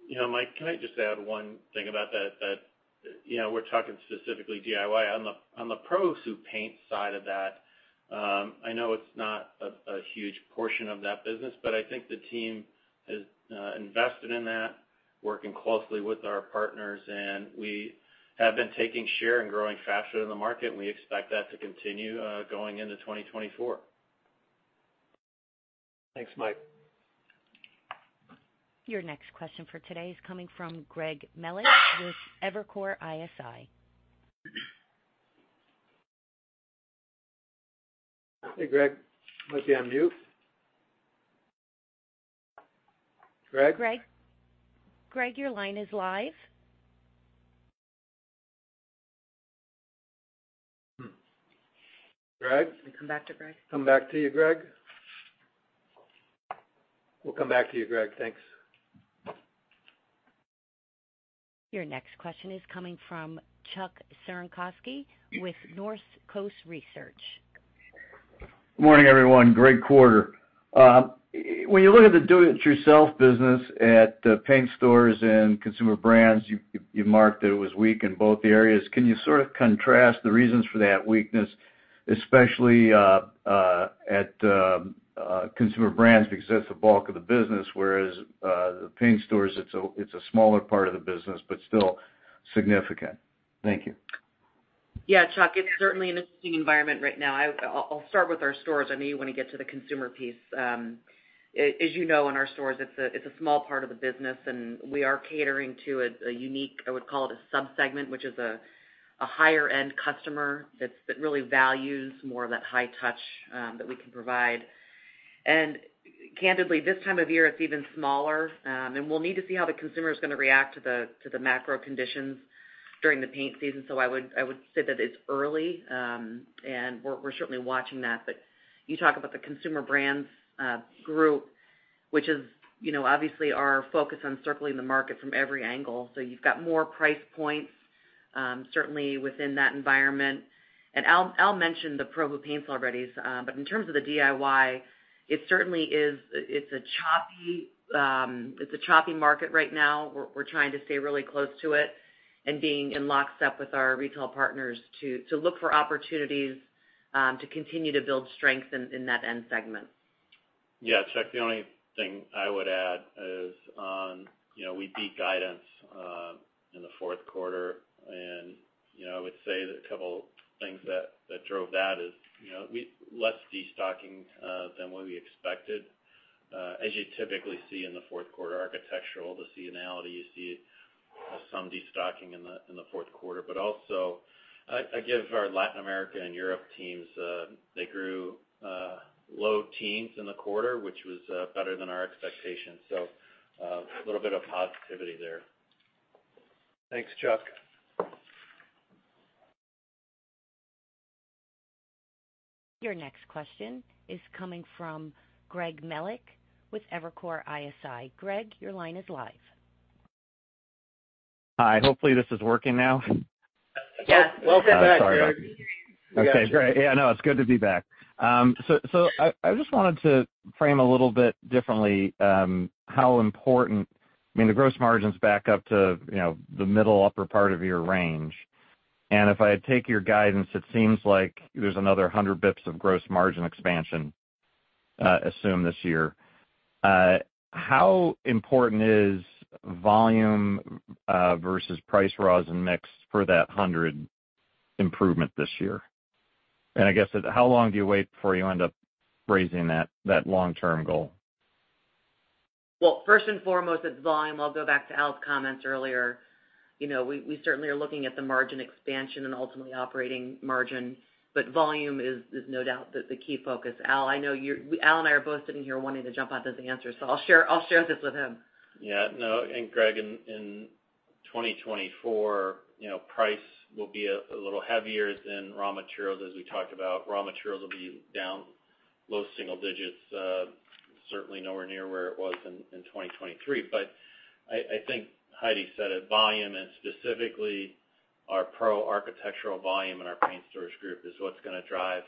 You know, Mike, can I just add one thing about that? That, you know, we're talking specifically DIY. On the pros who paint side of that I know it's not a huge portion of that business, but I think the team has invested in that, working closely with our partners, and we have been taking share and growing faster than the market, and we expect that to continue going into 2024. Thanks, Mike. Your next question for today is coming from Greg Melich with Evercore ISI. Hey, Greg. You might be on mute. Greg? Greg? Greg, your line is live. Hmm. Greg? Can we come back to Greg? Come back to you, Greg. We'll come back to you, Greg. Thanks. Your next question is coming from Chuck Cerankosky with North Coast Research. Good morning, everyone. Great quarter. When you look at the do-it-yourself business at Paint Stores and Consumer Brands, you marked that it was weak in both areas. Can you sort of contrast the reasons for that weakness, especially at Consumer Brands, because that's the bulk of the business, whereas the Paint Stores, it's a smaller part of the business, but still significant. Thank you. Yeah, Chuck, it's certainly an interesting environment right now. I'll start with our stores. I know you want to get to the consumer piece. As you know, in our stores, it's a small part of the business, and we are catering to a unique, I would call it a sub-segment, which is a higher-end customer that really values more of that high touch that we can provide. And candidly, this time of year, it's even smaller, and we'll need to see how the consumer is gonna react to the macro conditions during the paint season. So I would say that it's early, and we're certainly watching that. But you talk about the Consumer Brands Group, which is, you know, obviously our focus on circling the market from every angle. So you've got more price points, certainly within that environment. And Al, Al mentioned the Probo paints already, but in terms of the DIY, it certainly is a choppy market right now. We're trying to stay really close to it and being in lockstep with our retail partners to look for opportunities to continue to build strength in that end segment. Yeah, Chuck, the only thing I would add is on, you know, we beat guidance in the fourth quarter. And, you know, I would say that a couple things that drove that is, you know, we had less destocking than what we expected, as you typically see in the fourth quarter architectural, the seasonality, you see some destocking in the fourth quarter. But also, I give our Latin America and Europe teams, they grew low teens in the quarter, which was better than our expectations. So, a little bit of positivity there. Thanks, Chuck. Your next question is coming from Greg Melich with Evercore ISI. Greg, your line is live. Hi. Hopefully, this is working now. Yes. Welcome back, Greg. Sorry about that. We got you. Okay, great. Yeah, I know, it's good to be back. So, I just wanted to frame a little bit differently how important, I mean, the gross margin's back up to, you know, the middle upper part of your range. And if I take your guidance, it seems like there's another 100 basis points of gross margin expansion assumed this year. How important is volume versus price raws and mix for that 100 improvement this year? And I guess, how long do you wait before you end up raising that long-term goal? Well, first and foremost, it's volume. I'll go back to Al's comments earlier. You know, we certainly are looking at the margin expansion and ultimately operating margin, but volume is no doubt the key focus. Al, I know you're. Al and I are both sitting here wanting to jump up at the answer, so I'll share this with him. Yeah, no, and Greg, in 2024, you know, price will be a little heavier than raw materials, as we talked about. Raw materials will be down low single digits, certainly nowhere near where it was in 2023. But I think Heidi said it, volume, and specifically our Pro architectural volume and our Paint Stores Group, is what's gonna drive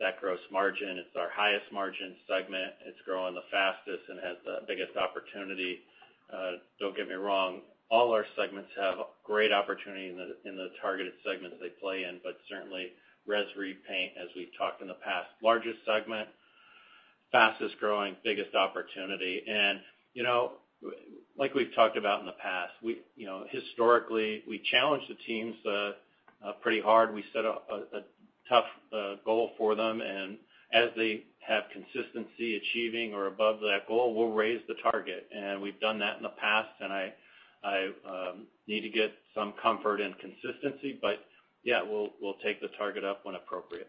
that gross margin. It's our highest margin segment. It's growing the fastest and has the biggest opportunity. Don't get me wrong, all our segments have great opportunity in the targeted segments they play in, but certainly, Resi repaint, as we've talked in the past, largest segment, fastest growing, biggest opportunity. And, you know, like we've talked about in the past, we, you know, historically, we challenge the teams pretty hard. We set a tough goal for them, and as they have consistency achieving or above that goal, we'll raise the target. We've done that in the past, and I need to get some comfort and consistency. But yeah, we'll take the target up when appropriate.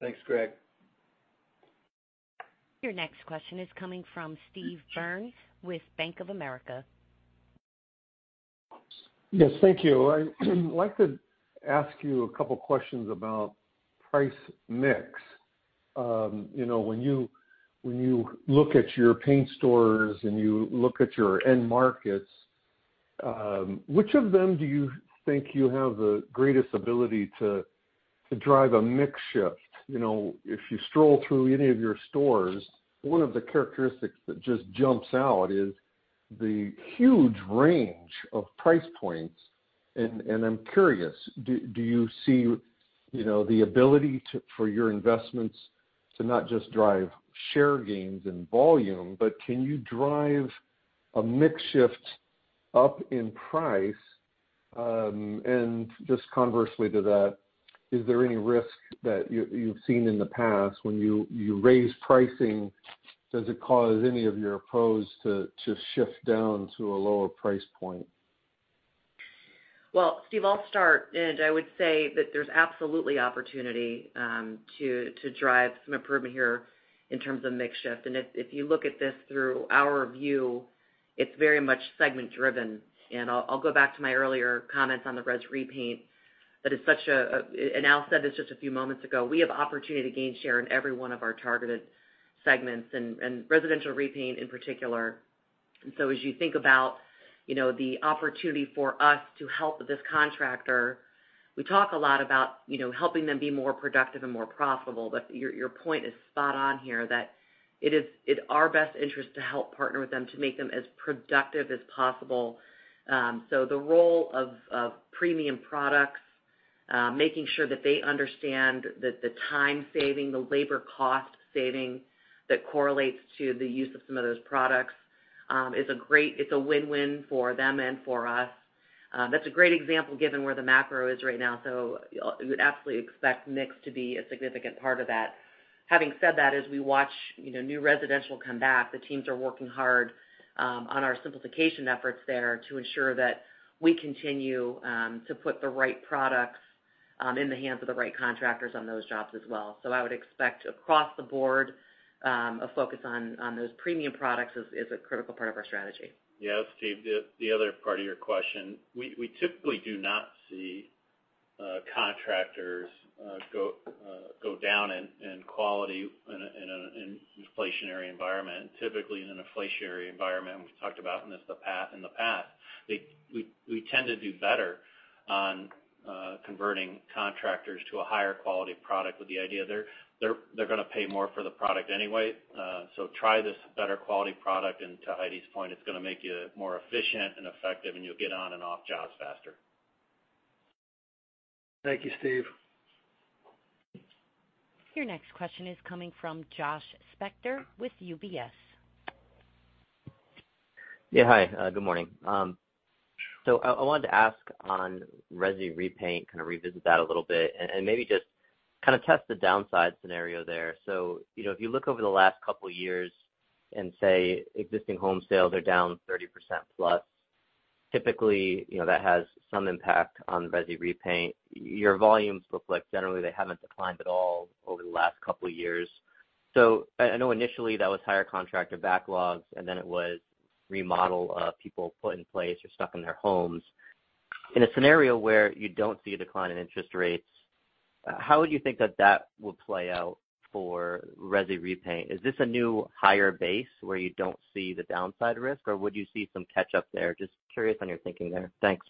Thanks, Greg. Your next question is coming from Steve Byrne with Bank of America. Yes, thank you. I'd like to ask you a couple questions about price mix. You know, when you look at your paint stores and you look at your end markets, which of them do you think you have the greatest ability to drive a mix shift? You know, if you stroll through any of your stores, one of the characteristics that just jumps out is the huge range of price points, and I'm curious, do you see, you know, the ability to for your investments to not just drive share gains and volume, but can you drive a mix shift up in price? And just conversely to that, is there any risk that you've seen in the past when you raise pricing, does it cause any of your customers to shift down to a lower price point? Well, Steve, I'll start, and I would say that there's absolutely opportunity to drive some improvement here in terms of mix shift. And if you look at this through our view, it's very much segment driven. And I'll go back to my earlier comments on the Resi repaint. That is such a—and Al said this just a few moments ago, we have opportunity to gain share in every one of our targeted segments and residential repaint in particular. And so as you think about, you know, the opportunity for us to help this contractor, we talk a lot about, you know, helping them be more productive and more profitable. But your point is spot on here, that it is in our best interest to help partner with them, to make them as productive as possible. So the role of premium products, making sure that they understand that the time saving, the labor cost saving that correlates to the use of some of those products, is a great win-win for them and for us. That's a great example, given where the macro is right now, so you would absolutely expect mix to be a significant part of that. Having said that, as we watch, you know, new residential come back, the teams are working hard on our simplification efforts there to ensure that we continue to put the right products in the hands of the right contractors on those jobs as well. So I would expect across the board, a focus on those premium products is a critical part of our strategy. Yes, Steve, the other part of your question: we typically do not see contractors go down in quality in an inflationary environment. Typically, in an inflationary environment, we've talked about in the past, we tend to do better on converting contractors to a higher quality product with the idea they're gonna pay more for the product anyway, so try this better quality product, and to Heidi's point, it's gonna make you more efficient and effective, and you'll get on and off jobs faster. Thank you, Steve. Your next question is coming from Josh Spector with UBS. Yeah, hi. Good morning. So I, I wanted to ask on resi repaint, kind of revisit that a little bit, and, and maybe just kind of test the downside scenario there. So, you know, if you look over the last couple years and say existing home sales are down 30% plus, typically, you know, that has some impact on resi repaint. Your volumes look like generally they haven't declined at all over the last couple years. So I, I know initially that was higher contractor backlogs, and then it was remodel of people put in place or stuck in their homes. In a scenario where you don't see a decline in interest rates, how would you think that that would play out for resi repaint? Is this a new higher base where you don't see the downside risk, or would you see some catch up there? Just curious on your thinking there. Thanks.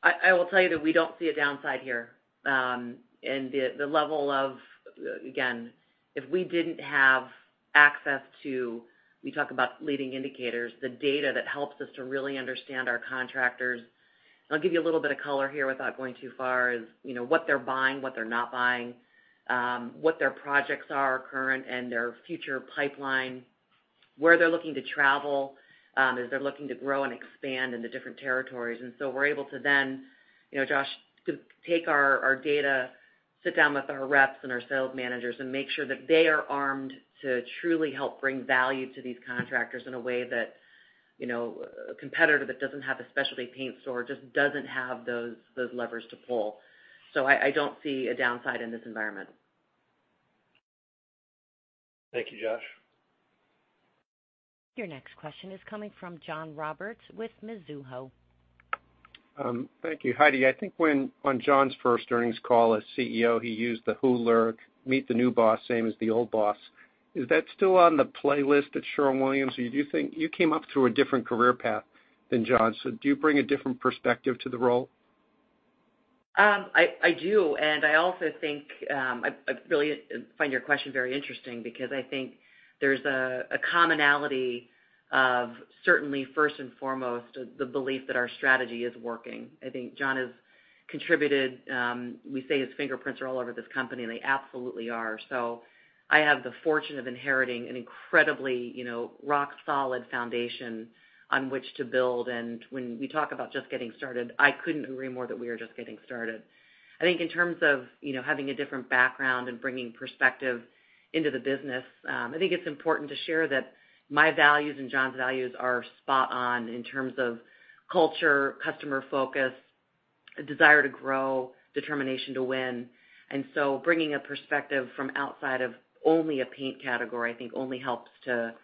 I will tell you that we don't see a downside here. And the level of, again, if we didn't have access to, we talk about leading indicators, the data that helps us to really understand our contractors. I'll give you a little bit of color here without going too far, is, you know, what they're buying, what they're not buying, what their projects are current and their future pipeline, where they're looking to travel, as they're looking to grow and expand into different territories. And so we're able to then, you know, Josh, to take our data, sit down with our reps and our sales managers and make sure that they are armed to truly help bring value to these contractors in a way that, you know, a competitor that doesn't have a specialty paint store just doesn't have those levers to pull. So I don't see a downside in this environment. Thank you, Josh. Your next question is coming from John Roberts with Mizuho. Thank you. Heidi, I think when on John's first earnings call as CEO, he used the Who, "Meet the new boss, same as the old boss." Is that still on the playlist at Sherwin-Williams, or do you think you came up through a different career path than John, so do you bring a different perspective to the role? I do, and I also think I really find your question very interesting because I think there's a commonality of certainly, first and foremost, the belief that our strategy is working. I think John has contributed, we say his fingerprints are all over this company, and they absolutely are. So I have the fortune of inheriting an incredibly, you know, rock solid foundation on which to build, and when we talk about just getting started, I couldn't agree more that we are just getting started. I think in terms of, you know, having a different background and bringing perspective into the business, I think it's important to share that my values and John's values are spot on in terms of culture, customer focus, a desire to grow, determination to win. Bringing a perspective from outside of only a paint category, I think only helps to,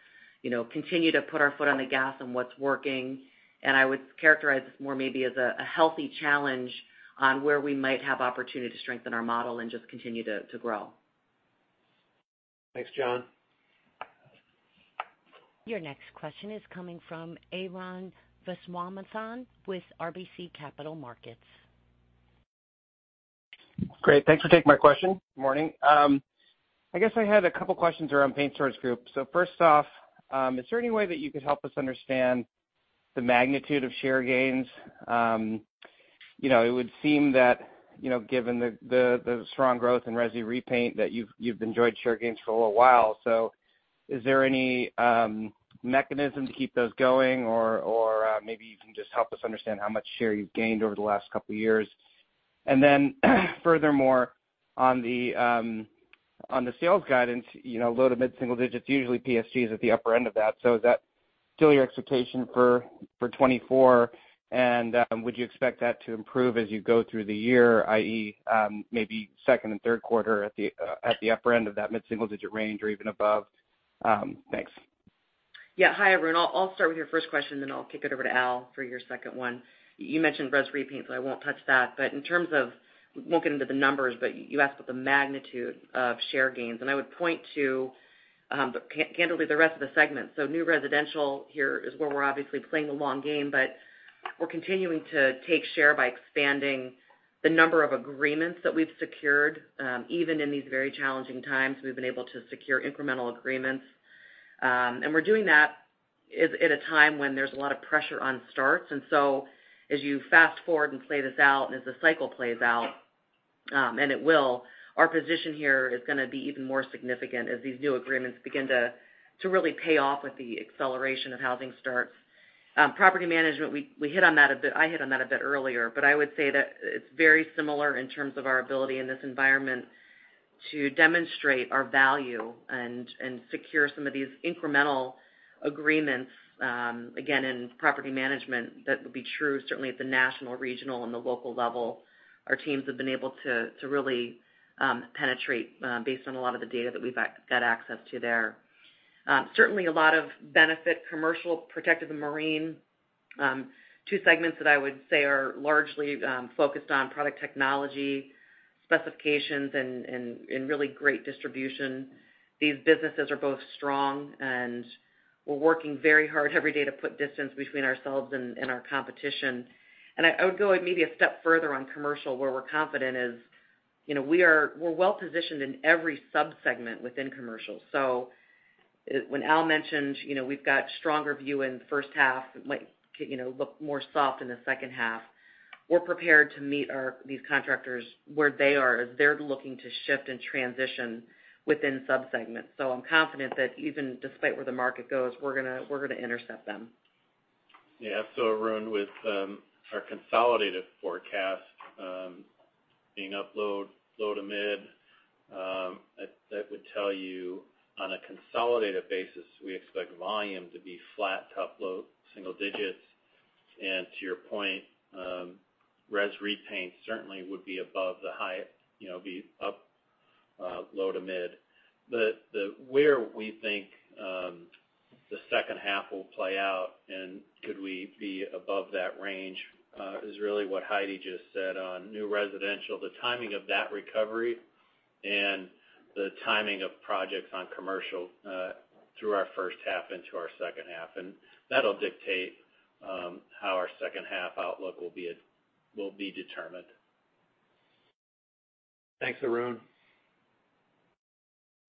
you know, continue to put our foot on the gas on what's working. I would characterize this more maybe as a, a healthy challenge on where we might have opportunity to strengthen our model and just continue to, to grow. Thanks, John. Your next question is coming from Arun Viswanathan with RBC Capital Markets. Great. Thanks for taking my question. Good morning. I guess I had a couple questions around Paint Stores Group. So first off, is there any way that you could help us understand the magnitude of share gains? You know, it would seem that, you know, given the strong growth in resi repaint, that you've enjoyed share gains for a little while. So is there any mechanism to keep those going, or, maybe you can just help us understand how much share you've gained over the last couple years? And then furthermore, on the sales guidance, you know, low to mid-single digits, usually PSG is at the upper end of that. So is that still your expectation for 2024? Would you expect that to improve as you go through the year, i.e., maybe second and third quarter at the upper end of that mid-single-digit range or even above? Thanks. Yeah. Hi, Arun. I'll, I'll start with your first question, then I'll kick it over to Al for your second one. You mentioned Resi repaint, so I won't touch that. But in terms of, we won't get into the numbers, but you asked about the magnitude of share gains, and I would point to, candidly, the rest of the segment. So new residential here is where we're obviously playing the long game, but we're continuing to take share by expanding the number of agreements that we've secured. Even in these very challenging times, we've been able to secure incremental agreements. And we're doing that at a time when there's a lot of pressure on starts. As you fast-forward and play this out, and as the cycle plays out, and it will, our position here is gonna be even more significant as these new agreements begin to really pay off with the acceleration of housing starts. Property management, we hit on that a bit, I hit on that a bit earlier, but I would say that it's very similar in terms of our ability in this environment to demonstrate our value and secure some of these incremental agreements, again, in property management. That would be true certainly at the national, regional, and the local level. Our teams have been able to really penetrate based on a lot of the data that we've got access to there. Certainly a lot of benefit, commercial, protective and marine, two segments that I would say are largely focused on product technology, specifications, and really great distribution. These businesses are both strong, and we're working very hard every day to put distance between ourselves and our competition. I would go maybe a step further on commercial, where we're confident is, you know, we're well positioned in every sub-segment within commercial. So when Al mentioned, you know, we've got stronger view in the first half, might look more soft in the second half, we're prepared to meet these contractors where they are, as they're looking to shift and transition within sub-segments. So I'm confident that even despite where the market goes, we're gonna intercept them. Yeah. So Arun, with our consolidated forecast being up low to mid, that would tell you on a consolidated basis, we expect volume to be flat to up low single digits. And to your point, Resi repaint certainly would be above the high, you know, be up low to mid. But where we think the second half will play out and could we be above that range is really what Heidi just said on new residential, the timing of that recovery and the timing of projects on commercial through our first half into our second half. And that'll dictate how our second half outlook will be determined. Thanks, Arun.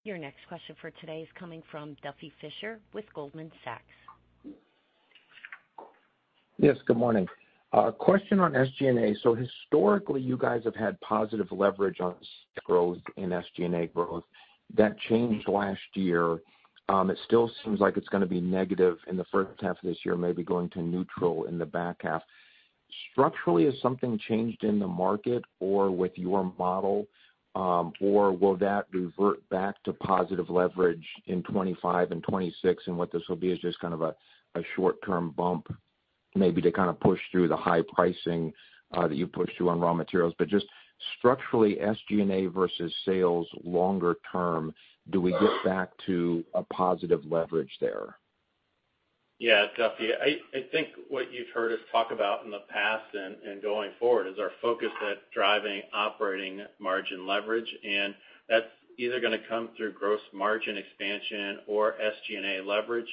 Your next question for today is coming from Duffy Fischer with Goldman Sachs. Yes, good morning. Question on SG&A. So historically, you guys have had positive leverage on growth in SG&A growth. That changed last year. It still seems like it's gonna be negative in the first half of this year, maybe going to neutral in the back half. Structurally, has something changed in the market or with your model, or will that revert back to positive leverage in 25 and 26, and what this will be is just kind of a short-term bump, maybe to kind of push through the high pricing that you've pushed through on raw materials? But just structurally, SG&A versus sales longer term, do we get back to a positive leverage there? Yeah, Duffy, I think what you've heard us talk about in the past and going forward is our focus on driving operating margin leverage, and that's either gonna come through gross margin expansion or SG&A leverage.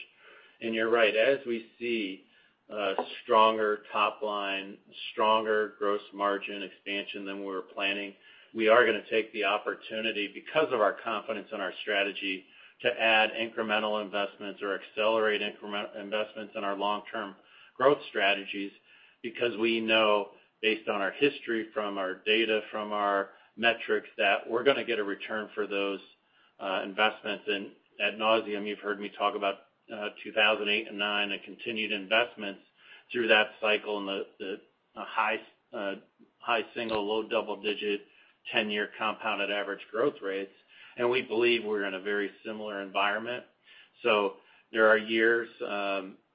And you're right, as we see a stronger top line, stronger gross margin expansion than we were planning, we are gonna take the opportunity, because of our confidence in our strategy, to add incremental investments or accelerate incremental investments in our long-term growth strategies, because we know, based on our history, from our data, from our metrics, that we're gonna get a return for those investments. Ad nauseam, you've heard me talk about 2008 and 2009, and continued investments through that cycle and a high single, low double digit, 10-year compounded average growth rates, and we believe we're in a very similar environment. So there are years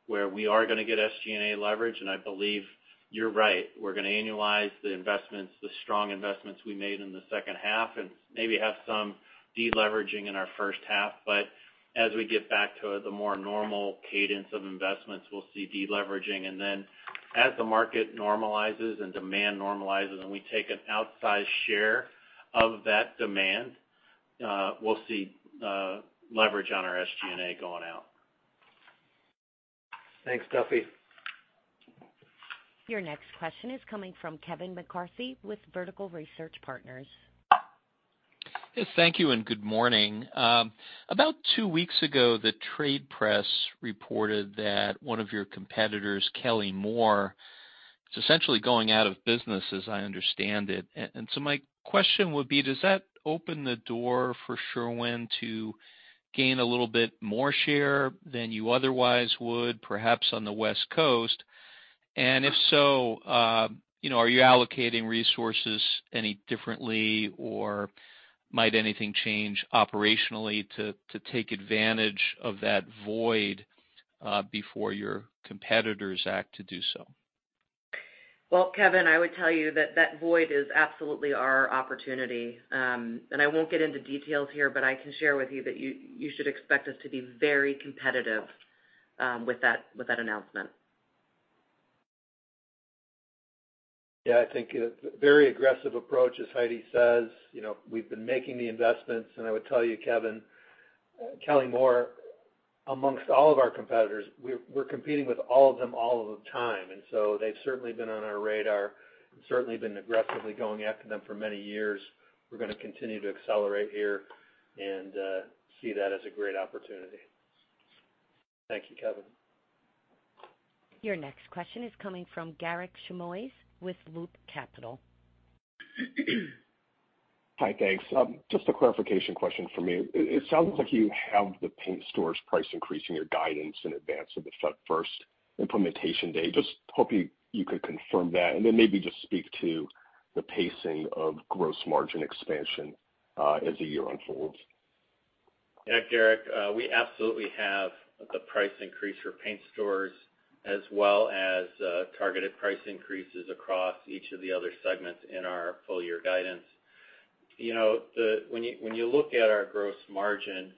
where we are gonna get SG&A leverage, and I believe you're right. We're gonna annualize the investments, the strong investments we made in the second half, and maybe have some deleveraging in our first half. But as we get back to the more normal cadence of investments, we'll see deleveraging. And then as the market normalizes and demand normalizes, and we take an outsized share of that demand, we'll see leverage on our SG&A going out. Thanks, Duffy. Your next question is coming from Kevin McCarthy with Vertical Research Partners. Yes, thank you and good morning. About two weeks ago, the trade press reported that one of your competitors, Kelly-Moore, is essentially going out of business, as I understand it. And so my question would be: does that open the door for Sherwin to gain a little bit more share than you otherwise would, perhaps on the West Coast? And if so, you know, are you allocating resources any differently, or might anything change operationally to take advantage of that void before your competitors act to do so? Well, Kevin, I would tell you that that void is absolutely our opportunity. I won't get into details here, but I can share with you that you should expect us to be very competitive with that announcement. Yeah, I think a very aggressive approach, as Heidi says. You know, we've been making the investments, and I would tell you, Kevin, Kelly Moore, amongst all of our competitors, we're competing with all of them all of the time, and so they've certainly been on our radar and certainly been aggressively going after them for many years. We're going to continue to accelerate here and see that as a great opportunity. Thank you, Kevin. Your next question is coming from Garik Shmois with Loop Capital. Hi, thanks. Just a clarification question for me. It sounds like you have the paint stores price increase in your guidance in advance of the first implementation date. Just hope you could confirm that, and then maybe just speak to the pacing of gross margin expansion as the year unfolds. Yeah, Garik, we absolutely have the price increase for Paint Stores as well as targeted price increases across each of the other segments in our full year guidance. You know, when you look at our gross margin,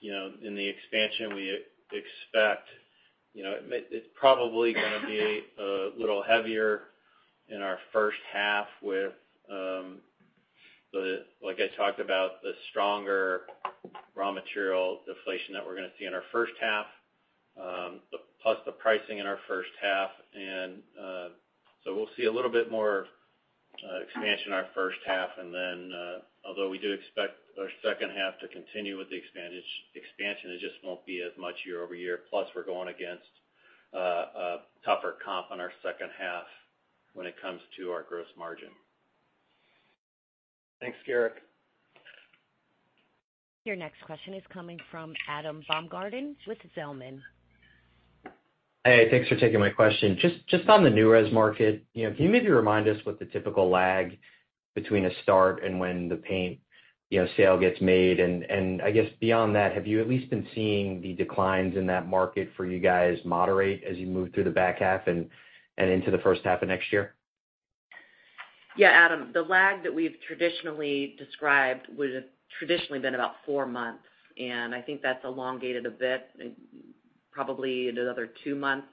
you know, in the expansion we expect, you know, it's probably going to be a little heavier in our first half with, like I talked about, the stronger raw material deflation that we're going to see in our first half, plus the pricing in our first half. And so we'll see a little bit more expansion in our first half, and then, although we do expect our second half to continue with the expansion, it just won't be as much year-over-year. Plus, we're going against a tougher comp on our second half when it comes to our gross margin. Thanks, Garik. Your next question is coming from Adam Baumgarten with Zelman. Hey, thanks for taking my question. Just on the new res market, you know, can you maybe remind us what the typical lag between a start and when the paint, you know, sale gets made? And I guess beyond that, have you at least been seeing the declines in that market for you guys moderate as you move through the back half and into the first half of next year? Yeah, Adam, the lag that we've traditionally described would've traditionally been about four months, and I think that's elongated a bit, probably another two months,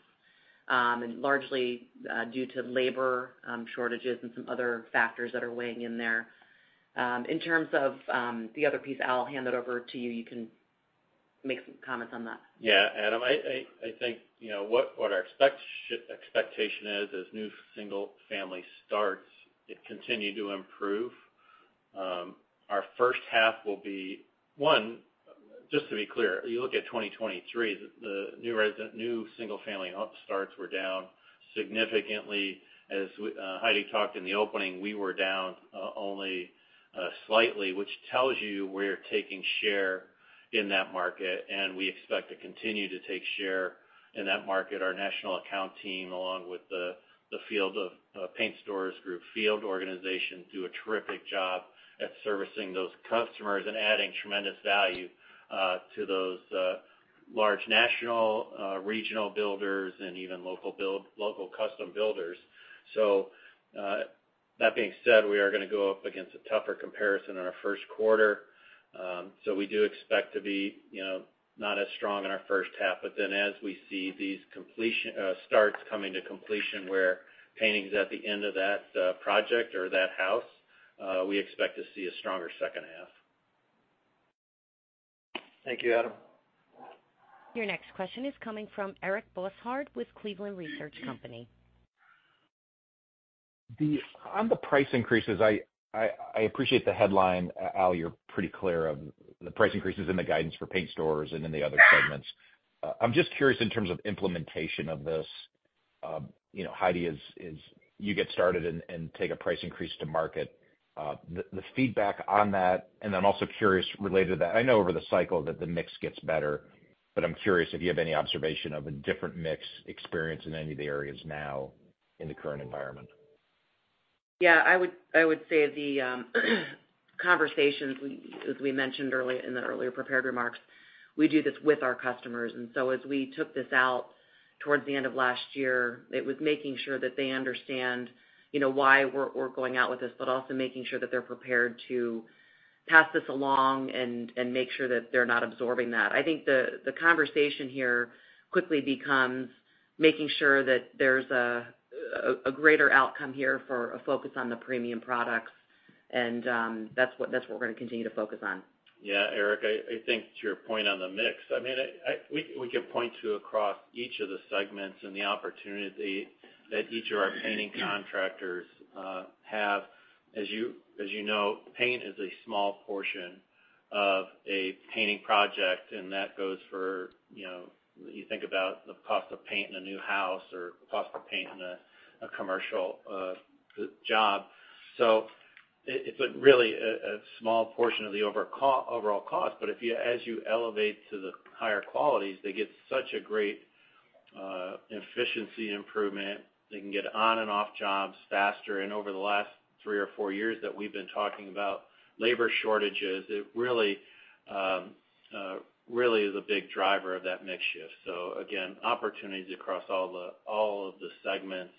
and largely due to labor shortages and some other factors that are weighing in there. In terms of the other piece, Al, I'll hand it over to you. You can make some comments on that. Yeah, Adam, I think, you know, what our expectation is, as new single family starts, it continue to improve. Our first half will be, just to be clear, you look at 2023, the new residential new single family starts were down significantly. As Heidi talked in the opening, we were down only slightly, which tells you we're taking share in that market, and we expect to continue to take share in that market. Our national account team, along with the field of Paint Stores Group field organization, do a terrific job at servicing those customers and adding tremendous value to those large national regional builders and even local custom builders. So, that being said, we are going to go up against a tougher comparison in our first quarter. So we do expect to be, you know, not as strong in our first half, but then as we see these completion starts coming to completion, where painting is at the end of that project or that house, we expect to see a stronger second half. Thank you, Adam. Your next question is coming from Eric Bosshard with Cleveland Research Company. On the price increases, I appreciate the headline. Al, you're pretty clear of the price increases in the guidance for paint stores and in the other segments. I'm just curious in terms of implementation of this, you know, Heidi, as you get started and take a price increase to market, the feedback on that, and I'm also curious related to that. I know over the cycle that the mix gets better, but I'm curious if you have any observation of a different mix experience in any of the areas now in the current environment. Yeah, I would, I would say the conversations, we, as we mentioned earlier in the earlier prepared remarks, we do this with our customers. And so as we took this out towards the end of last year, it was making sure that they understand, you know, why we're, we're going out with this, but also making sure that they're prepared to pass this along and, and make sure that they're not absorbing that. I think the conversation here quickly becomes making sure that there's a greater outcome here for a focus on the premium products.... And, that's what, that's what we're gonna continue to focus on. Yeah, Eric, I think to your point on the mix, I mean, we could point to across each of the segments and the opportunity that each of our painting contractors have. As you know, paint is a small portion of a painting project, and that goes for, you know, you think about the cost of painting a new house or the cost of painting a commercial job. So it's a really small portion of the overall cost. But if you elevate to the higher qualities, they get such a great efficiency improvement. They can get on and off jobs faster, and over the last three or four years that we've been talking about labor shortages, it really is a big driver of that mix shift. So again, opportunities across all of the segments.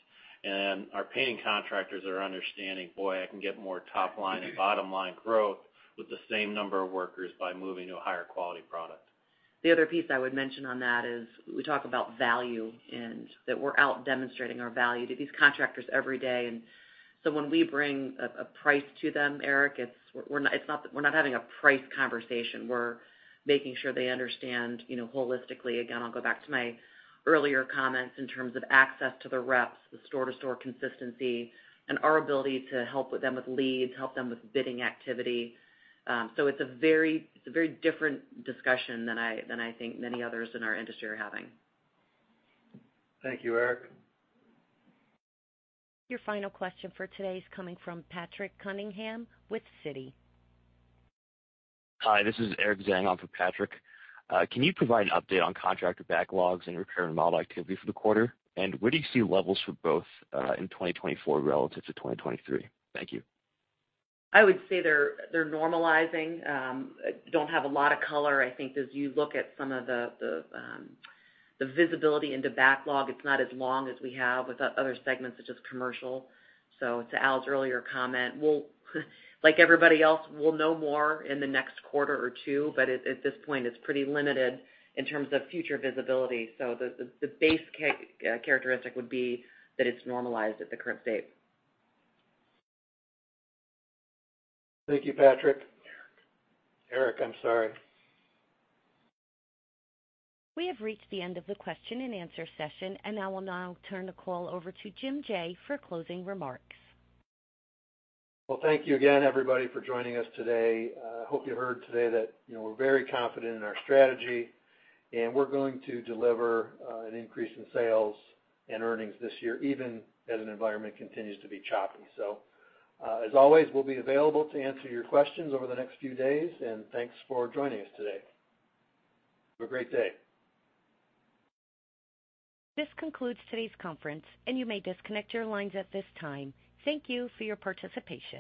And our painting contractors are understanding, "Boy, I can get more top line and bottom line growth with the same number of workers by moving to a higher quality product. The other piece I would mention on that is we talk about value, and that we're out demonstrating our value to these contractors every day. And so when we bring a price to them, Eric, it's... We're not having a price conversation. We're making sure they understand, you know, holistically. Again, I'll go back to my earlier comments in terms of access to the reps, the store-to-store consistency, and our ability to help them with leads, help them with bidding activity. So it's a very different discussion than I think many others in our industry are having. Thank you, Eric. Your final question for today is coming from Patrick Cunningham with Citi. Hi, this is Eric Zhang on for Patrick. Can you provide an update on contractor backlogs and repair and remodel activity for the quarter? Where do you see levels for both, in 2024 relative to 2023? Thank you. I would say they're, they're normalizing. Don't have a lot of color. I think as you look at some of the, the visibility into backlog, it's not as long as we have with other segments such as commercial. So to Al's earlier comment, we'll, like everybody else, we'll know more in the next quarter or two, but at this point, it's pretty limited in terms of future visibility. So the base characteristic would be that it's normalized at the current state. Thank you, Patrick. Eric. Eric, I'm sorry. We have reached the end of the question and answer session, and I will now turn the call over to Jim Jaye for closing remarks. Well, thank you again, everybody, for joining us today. I hope you heard today that, you know, we're very confident in our strategy, and we're going to deliver an increase in sales and earnings this year, even as an environment continues to be choppy. So, as always, we'll be available to answer your questions over the next few days, and thanks for joining us today. Have a great day. This concludes today's conference, and you may disconnect your lines at this time. Thank you for your participation.